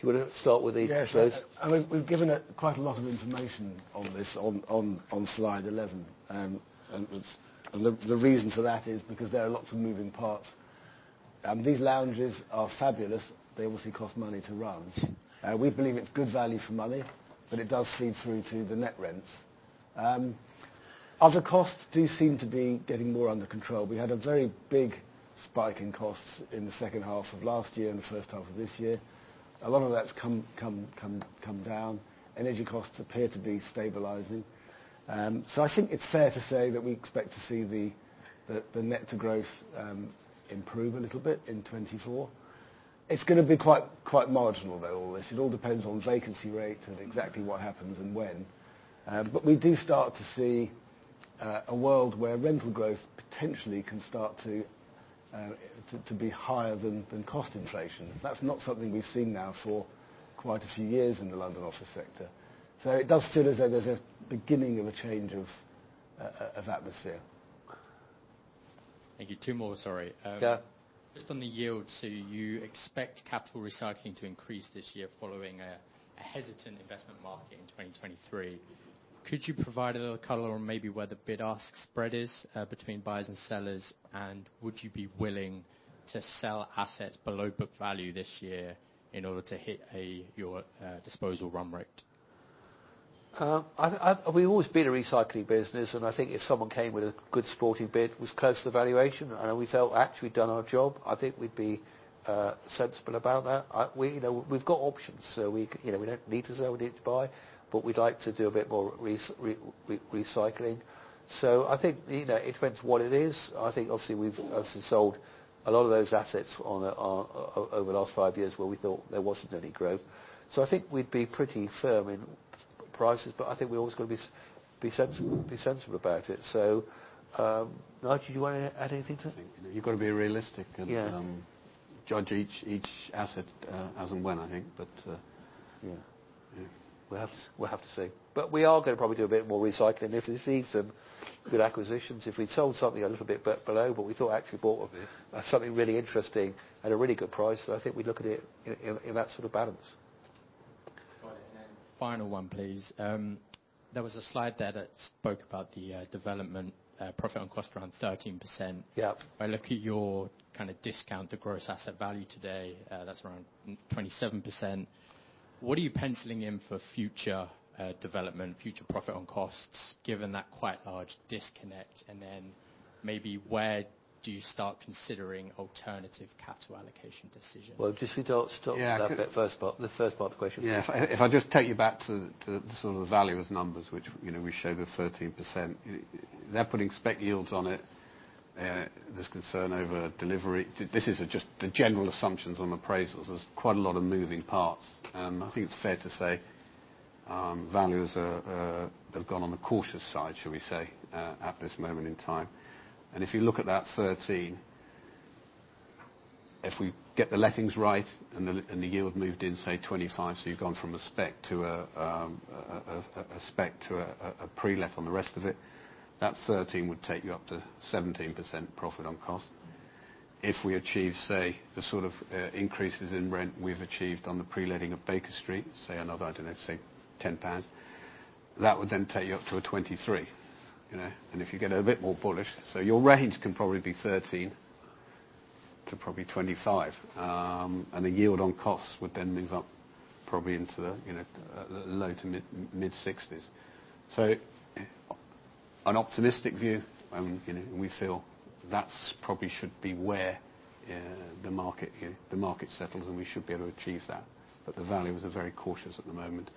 Do you want to start with each of those? Yeah, sure. I mean, we've given quite a lot of information on this on slide 11. The reason for that is because there are lots of moving parts. These lounges are fabulous. They obviously cost money to run. We believe it's good value for money, but it does feed through to the net rents. Other costs do seem to be getting more under control. We had a very big spike in costs in the second half of last year and the first half of this year. A lot of that's come down. Energy costs appear to be stabilizing. So I think it's fair to say that we expect to see the net-to-gross improve a little bit in 2024. It's going to be quite marginal, though, all this. It all depends on vacancy rates and exactly what happens and when. We do start to see a world where rental growth potentially can start to be higher than cost inflation. That's not something we've seen now for quite a few years in the London office sector. It does feel as though there's a beginning of a change of atmosphere. Thank you. Two more, sorry. Just on the yields, so you expect capital recycling to increase this year following a hesitant investment market in 2023. Could you provide a little color on maybe where the bid-ask spread is between buyers and sellers, and would you be willing to sell assets below book value this year in order to hit your disposal run rate? We've always been a recycling business, and I think if someone came with a good sporting bid, was close to the valuation, and we felt actually done our job, I think we'd be sensible about that. We've got options, so we don't need to sell. We need to buy, but we'd like to do a bit more recycling. So I think it depends what it is. I think, obviously, we've obviously sold a lot of those assets over the last five years where we thought there wasn't any growth. So I think we'd be pretty firm in prices, but I think we're always going to be sensible about it. So Nigel, do you want to add anything to that? I think you've got to be realistic and judge each asset as and when, I think, but we'll have to see. But we are going to probably do a bit more recycling. If this leads to good acquisitions, if we'd sold something a little bit below but we thought actually bought something really interesting at a really good price, I think we'd look at it in that sort of balance. Final one, please. There was a slide there that spoke about the development profit on cost around 13%. If I look at your kind of discount to gross asset value today, that's around 27%. What are you pencilling in for future development, future profit on costs, given that quite large disconnect? And then maybe where do you start considering alternative capital allocation decisions? Well, just to stop you at that bit, the first part of the question. Yeah, if I just take you back to sort of the value as numbers, which we show the 13%, they're putting spec yields on it. There's concern over delivery. This is just the general assumptions on appraisals. There's quite a lot of moving parts. I think it's fair to say values have gone on the cautious side, shall we say, at this moment in time. And if you look at that 13, if we get the lettings right and the yield moved in, say, 25, so you've gone from a spec to a spec to a pre-let on the rest of it, that 13 would take you up to 17% profit on cost. If we achieve, say, the sort of increases in rent we've achieved on the pre-letting of Baker Street, say, another, I don't know, say, 10 pounds, that would then take you up to a 23%. If you get a bit more bullish, so your range can probably be 13 to probably 25. The yield on costs would then move up probably into the low to mid-60s. An optimistic view, we feel that probably should be where the market settles, and we should be able to achieve that. The value is very cautious at the moment.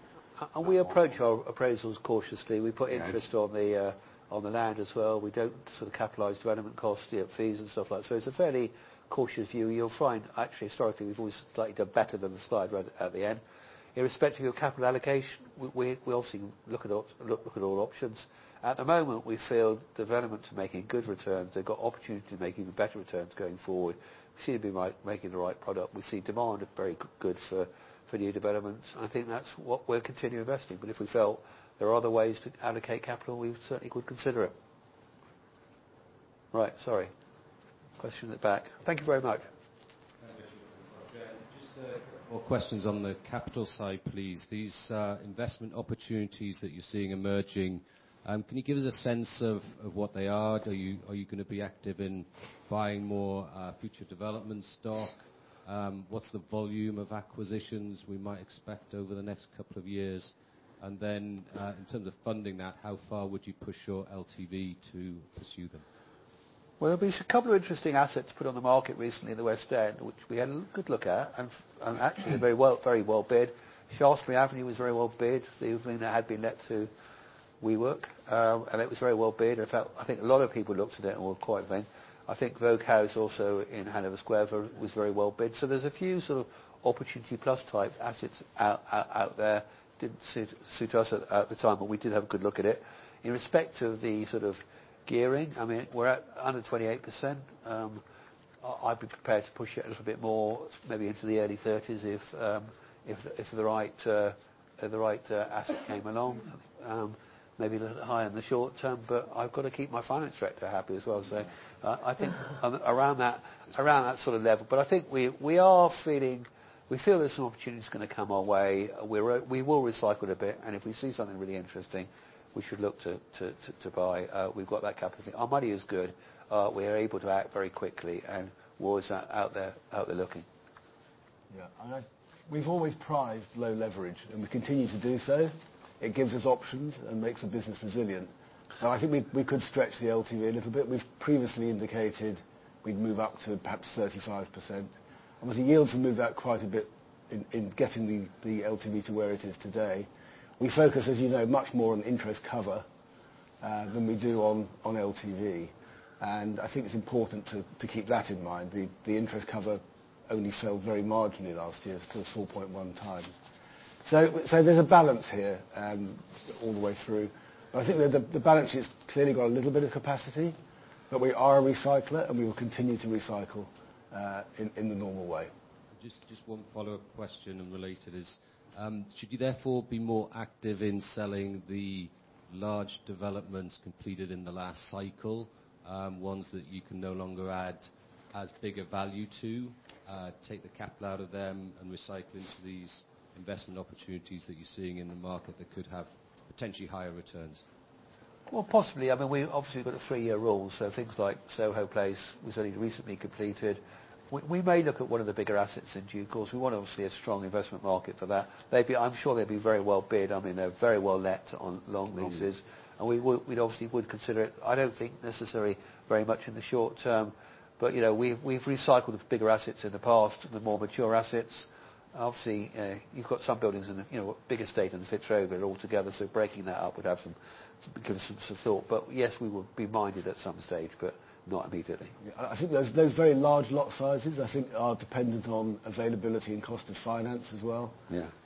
We approach our appraisals cautiously. We put interest on the land as well. We don't sort of capitalize development costs, fees, and stuff like that. So it's a fairly cautious view. You'll find, actually, historically, we've always likely done better than the slide right at the end. Irrespective of your capital allocation, we obviously look at all options. At the moment, we feel development's making good returns. They've got opportunity to make even better returns going forward. We seem to be making the right product. We see demand very good for new developments. I think that's what we're continuing to invest in. But if we felt there are other ways to allocate capital, we certainly could consider it. Right, sorry. Question at the back. Thank you very much. Just a couple more questions on the capital side, please. These investment opportunities that you're seeing emerging, can you give us a sense of what they are? Are you going to be active in buying more future development stock? What's the volume of acquisitions we might expect over the next couple of years? And then in terms of funding that, how far would you push your LTV to pursue them? Well, there'll be a couple of interesting assets put on the market recently in the West End, which we had a good look at and actually a very well-bid. Charterhouse Street was very well-bid. The building that had been let to WeWork, and it was very well-bid. And I think a lot of people looked at it and were quite keen. I think Vogue House also in Hanover Square was very well-bid. So there's a few sort of opportunity-plus type assets out there that didn't suit us at the time, but we did have a good look at it. Irrespective of the sort of gearing, I mean, we're at under 28%. I'd be prepared to push it a little bit more, maybe into the early 30s if the right asset came along, maybe a little higher in the short term. But I've got to keep my finance director happy as well, so I think around that sort of level. But I think we are feeling we feel there's some opportunity that's going to come our way. We will recycle a bit, and if we see something really interesting, we should look to buy. We've got that capital. Our money is good. We are able to act very quickly, and we're always out there looking. Yeah. We've always prized low leverage, and we continue to do so. It gives us options and makes the business resilient. So I think we could stretch the LTV a little bit. We've previously indicated we'd move up to perhaps 35%. Obviously, yields have moved out quite a bit in getting the LTV to where it is today. We focus, as you know, much more on interest cover than we do on LTV. And I think it's important to keep that in mind. The interest cover only fell very marginally last year to 4.1 times. So there's a balance here all the way through. But I think the balance sheet's clearly got a little bit of capacity, but we are a recycler, and we will continue to recycle in the normal way. Just one follow-up question, and related, is. Should you therefore be more active in selling the large developments completed in the last cycle, ones that you can no longer add as big a value to, take the capital out of them and recycle into these investment opportunities that you're seeing in the market that could have potentially higher returns? Well, possibly. I mean, we obviously got a three-year rule, so things like Soho Place was only recently completed. We may look at one of the bigger assets in due course. We want to obviously have a strong investment market for that. I'm sure they'd be very well-bid. I mean, they're very well-let on long leases, and we'd obviously consider it. I don't think necessarily very much in the short term, but we've recycled bigger assets in the past, the more mature assets. Obviously, you've got some buildings in a bigger state than Fitzrovia altogether, so breaking that up would give us some thought. But yes, we would be minded at some stage, but not immediately. I think those very large lot sizes, I think, are dependent on availability and cost of finance as well.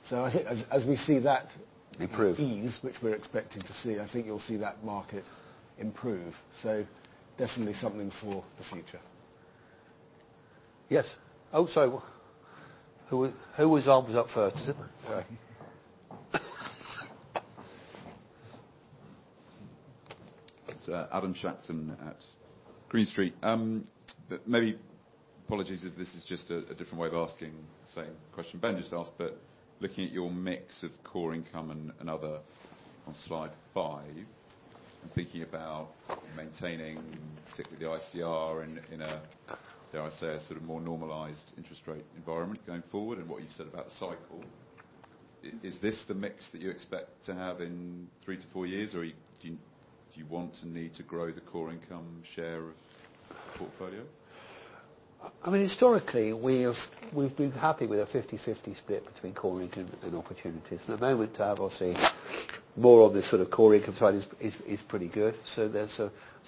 So I think as we see that ease, which we're expecting to see, I think you'll see that market improve. So definitely something for the future. Yes. Oh, sorry. Who was arms up first, is it? Sorry. It's Adam Sheridan at Green Street. Maybe apologies if this is just a different way of asking the same question Ben just asked, but looking at your mix of core income and other on slide 5 and thinking about maintaining, particularly the ICR, in a, dare I say, a sort of more normalized interest rate environment going forward and what you've said about the cycle, is this the mix that you expect to have in 3-4 years, or do you want and need to grow the core income share of the portfolio? I mean, historically, we've been happy with a 50/50 split between core income and opportunities. And at the moment, to have obviously more on this sort of core income side is pretty good. So at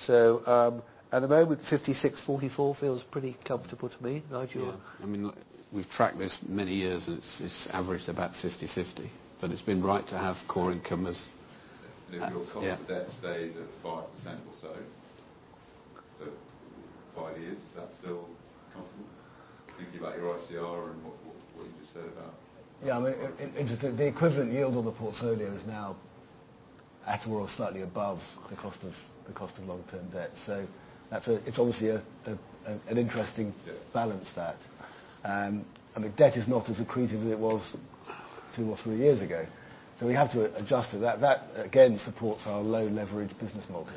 the moment, 56/44 feels pretty comfortable to me. Nigel, yours? Yeah. I mean, we've tracked this many years, and it's averaged about 50/50. But it's been right to have core income as. If your cost of debt stays at 5% or so for five years, is that still comfortable? Thinking about your ICR and what you just said about. Yeah. I mean, the equivalent yield on the portfolio is now, at all, slightly above the cost of long-term debt. So it's obviously an interesting balance that. I mean, debt is not as accretive as it was two or three years ago, so we have to adjust to that. That, again, supports our low-leverage business model.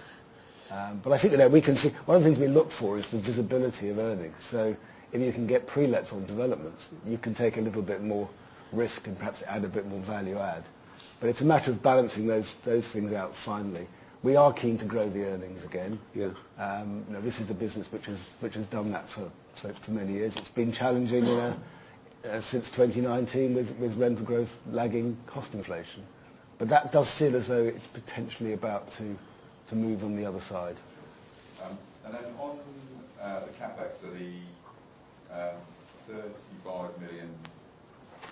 But I think we can see one of the things we look for is the visibility of earnings. So if you can get pre-lets on developments, you can take a little bit more risk and perhaps add a bit more value add. But it's a matter of balancing those things out finally. We are keen to grow the earnings again. This is a business which has done that for many years. It's been challenging since 2019 with rental growth lagging, cost inflation. But that does feel as though it's potentially about to move on the other side. Then on the CapEx, so the GBP 35 million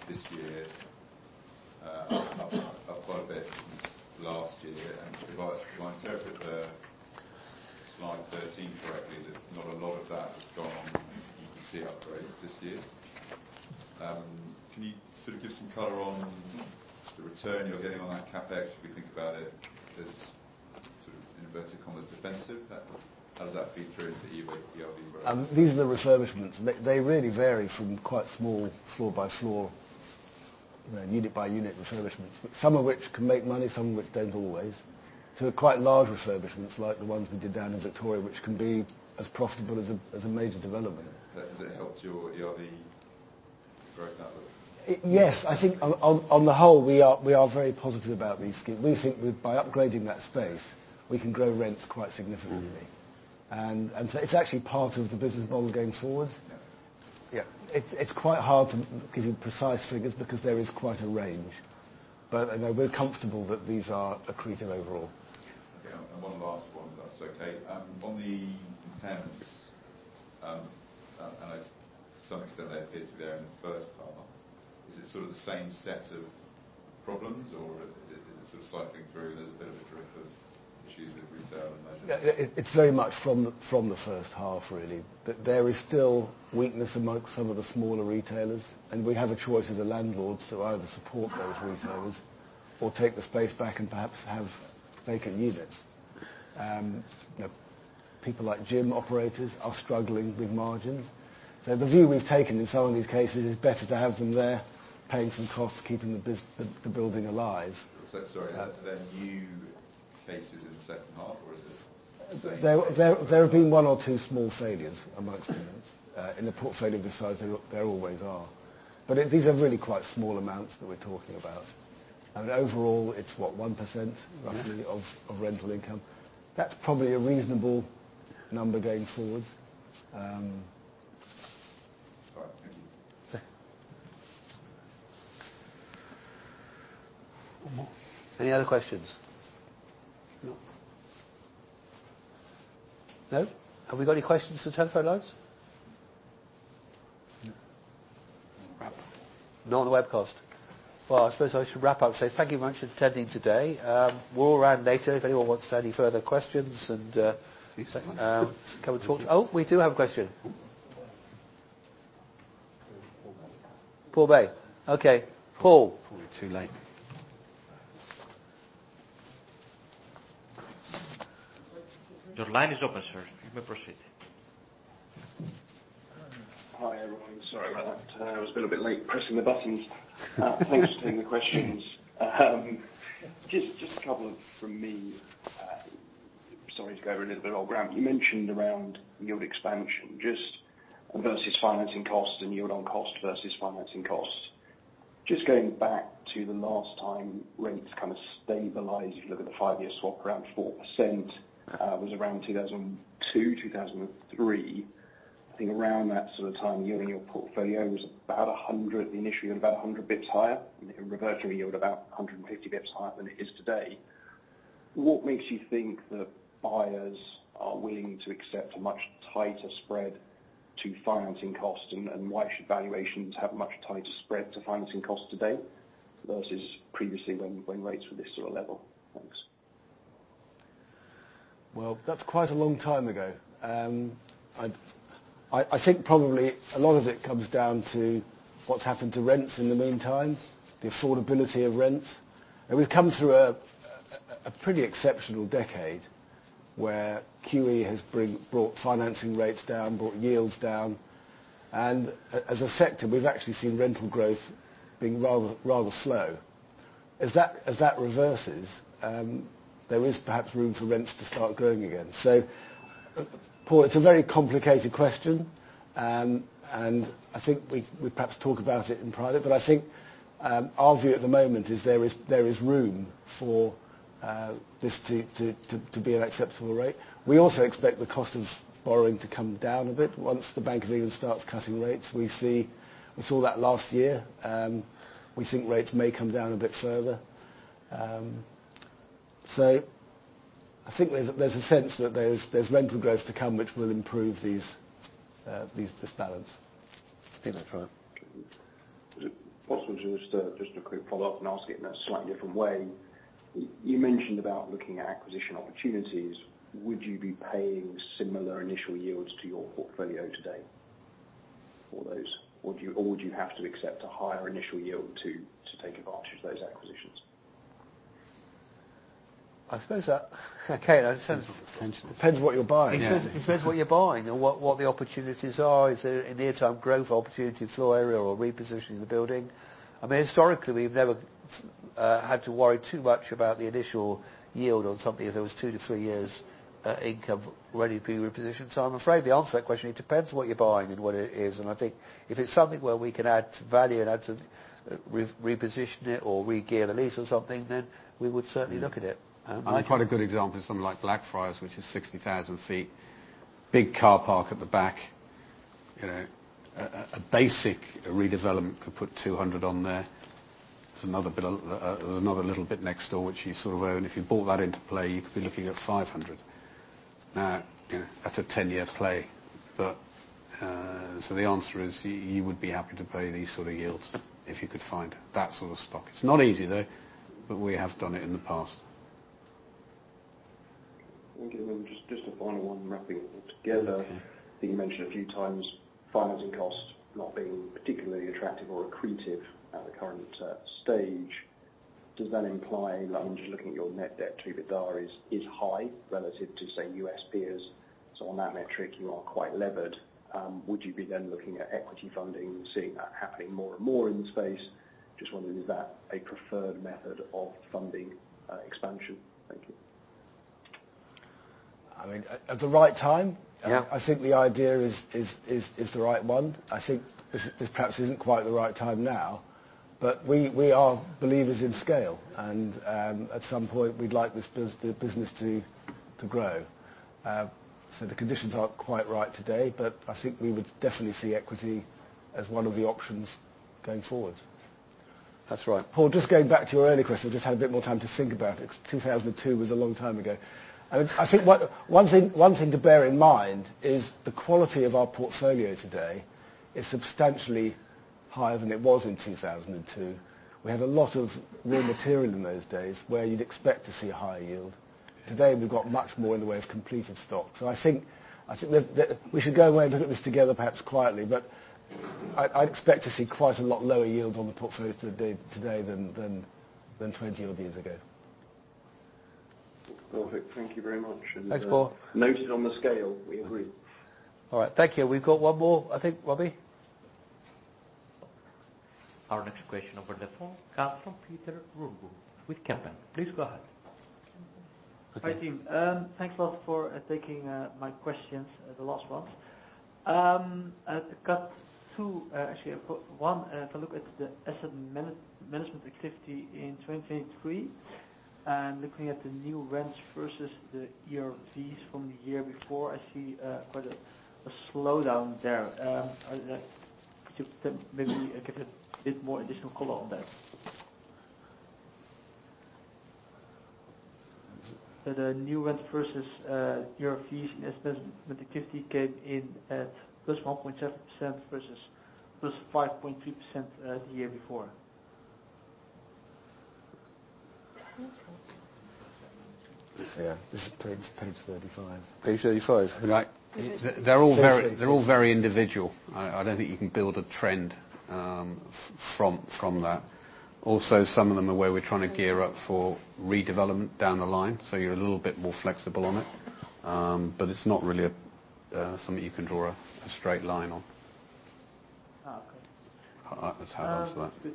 this year, up quite a bit since last year. If I interpret the Slide 13 correctly, not a lot of that has gone on EPC upgrades this year. Can you sort of give some color on the return you're getting on that CapEx if we think about it as sort of, in inverted commas, defensive? How does that feed through into ERV growth? These are the refurbishments. They really vary from quite small floor-by-floor, unit-by-unit refurbishments, but some of which can make money, some of which don't always, to quite large refurbishments like the ones we did down in Victoria, which can be as profitable as a major development. Has it helped your ERV growth outlook? Yes. I think on the whole, we are very positive about these schemes. We think by upgrading that space, we can grow rents quite significantly. And so it's actually part of the business model going forward. Yeah. It's quite hard to give you precise figures because there is quite a range. But we're comfortable that these are accretive overall. Okay. And one last one, if that's okay. On the tenants, and to some extent, they appear to be there in the first half, is it sort of the same set of problems, or is it sort of cycling through? There's a bit of a drift of issues with retail and measures. Yeah. It's very much from the first half, really. There is still weakness among some of the smaller retailers. We have a choice as a landlord to either support those retailers or take the space back and perhaps have vacant units. People like gym operators are struggling with margins. The view we've taken in some of these cases is better to have them there paying some costs, keeping the building alive. Sorry. Have there been new cases in the second half, or is it the same? There have been one or two small failures among tenants. In a portfolio of this size, there always are. But these are really quite small amounts that we're talking about. Overall, it's, what, 1% roughly of rental income? That's probably a reasonable number going forwards. All right. Thank you. One more. Any other questions? No? Have we got any questions for telephone lines? No. Not on the webcast. Well, I suppose I should wrap up and say thank you very much for attending today. We'll run later if anyone wants to have any further questions and come and talk to. Oh, we do have a question. Paul Bay. Okay. Paul. Probably too late. Your line is open, sir. You may proceed. Hi, everyone. Sorry about that. I was a bit of a bit late pressing the buttons. Thanks for taking the questions. Just a couple of from me. Sorry to go over a little bit of old ground. You mentioned around yield expansion versus financing cost and yield on cost versus financing cost. Just going back to the last time rates kind of stabilised, if you look at the five-year swap, around 4% was around 2002, 2003. I think around that sort of time, yield in your portfolio was about 100. The initial yield about 100 basis points higher. Reversion yield about 150 basis points higher than it is today. What makes you think that buyers are willing to accept a much tighter spread to financing cost, and why should valuations have a much tighter spread to financing cost today versus previously when rates were this sort of level? Thanks. Well, that's quite a long time ago. I think probably a lot of it comes down to what's happened to rents in the meantime, the affordability of rents. And we've come through a pretty exceptional decade where QE has brought financing rates down, brought yields down. And as a sector, we've actually seen rental growth being rather slow. As that reverses, there is perhaps room for rents to start growing again. So Paul, it's a very complicated question, and I think we'd perhaps talk about it in private. But I think our view at the moment is there is room for this to be an acceptable rate. We also expect the cost of borrowing to come down a bit once the Bank of England starts cutting rates. We saw that last year. We think rates may come down a bit further. I think there's a sense that there's rental growth to come which will improve this balance. I think that's right. Is it possible to just a quick follow-up and ask it in a slightly different way? You mentioned about looking at acquisition opportunities. Would you be paying similar initial yields to your portfolio today for those, or would you have to accept a higher initial yield to take advantage of those acquisitions? I suppose that, Kate, depends what you're buying. It depends what you're buying and what the opportunities are. Is there a near-term growth opportunity, floor area, or repositioning the building? I mean, historically, we've never had to worry too much about the initial yield on something if there was two-three years income ready to be repositioned. So I'm afraid the answer to that question is it depends what you're buying and what it is. I think if it's something where we can add value and reposition it or regear the lease or something, then we would certainly look at it. I think quite a good example is something like Blackfriars, which is 60,000 sq ft, big car park at the back. A basic redevelopment could put 200,000 sq ft on there. There's another little bit next door which you sort of own. If you bought that into play, you could be looking at 500,000 sq ft. Now, that's a 10-year play. So the answer is you would be happy to pay these sort of yields if you could find that sort of stock. It's not easy, though, but we have done it in the past. Okay. Then just a final one wrapping it all together. I think you mentioned a few times financing cost not being particularly attractive or accretive at the current stage. Does that imply, I mean, just looking at your net debt to LTVs is high relative to, say, U.S. peers? So on that metric, you are quite levered. Would you be then looking at equity funding, seeing that happening more and more in the space? Just wondering, is that a preferred method of funding expansion? Thank you. I mean, at the right time. I think the idea is the right one. I think this perhaps isn't quite the right time now, but we are believers in scale, and at some point, we'd like the business to grow. So the conditions aren't quite right today, but I think we would definitely see equity as one of the options going forward. That's right. Paul, just going back to your earlier question, I just had a bit more time to think about it. 2002 was a long time ago. I mean, I think one thing to bear in mind is the quality of our portfolio today is substantially higher than it was in 2002. We had a lot of raw material in those days where you'd expect to see a higher yield. Today, we've got much more in the way of completed stock. So I think we should go away and look at this together, perhaps quietly, but I'd expect to see quite a lot lower yields on the portfolio today than 20-odd years ago. Perfect. Thank you very much. Thanks, Paul. Noted on the scale. We agree. All right. Thank you. We've got one more, I think, Robby. Our next question over the phone comes from Pieter Runneboom with Kempen. Please go ahead. Hi, team. Thanks a lot for taking my questions, the last ones. Actually, one, if I look at the asset management activity in 2023 and looking at the new rents versus the ERVs from the year before, I see quite a slowdown there. Could you maybe give a bit more additional color on that? So the new rent versus ERVs in asset management activity came in at +1.7% versus +5.3% the year before. Yeah. This is page 35. They're all very individual. I don't think you can build a trend from that. Also, some of them are where we're trying to gear up for redevelopment down the line, so you're a little bit more flexible on it. But it's not really something you can draw a straight line on. That's how I answer that.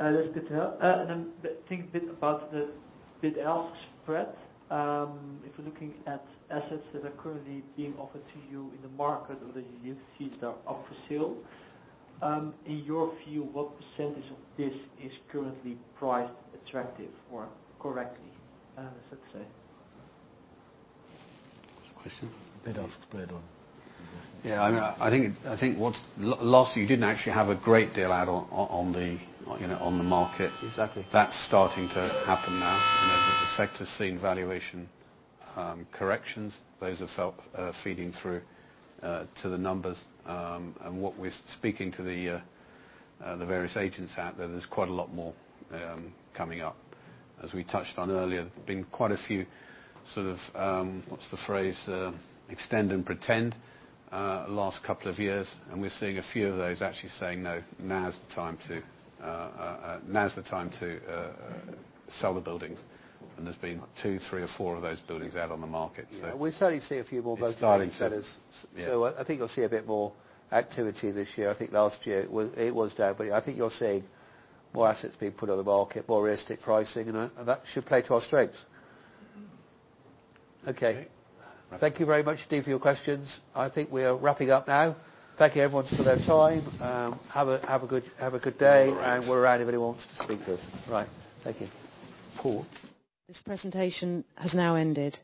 That's good to know. Then think a bit about the bid-ask spread. If we're looking at assets that are currently being offered to you in the market or that you see that are up for sale, in your view, what percentage of this is currently priced attractive or correctly, so to say? What's the question? Bid-ask spread on investment. Yeah. I mean, I think last year, you didn't actually have a great deal out on the market. That's starting to happen now. The sector's seen valuation corrections. Those have felt feeding through to the numbers. And speaking to the various agents out there, there's quite a lot more coming up. As we touched on earlier, there's been quite a few sort of—what's the phrase?—extend and pretend last couple of years. And we're seeing a few of those actually saying, "No, now's the time to sell the buildings." And there's been two, three, or four of those buildings out on the market, so. Yeah. We certainly see a few more both in the U.S. settings. So I think you'll see a bit more activity this year. I think last year, it was down, but I think you're seeing more assets being put on the market, more realistic pricing. That should play to our strengths. Okay. Thank you very much, Steve, for your questions. I think we are wrapping up now. Thank you, everyone, for their time. Have a good day. We're around if anyone wants to speak to us. Right. Thank you. Paul. This presentation has now ended.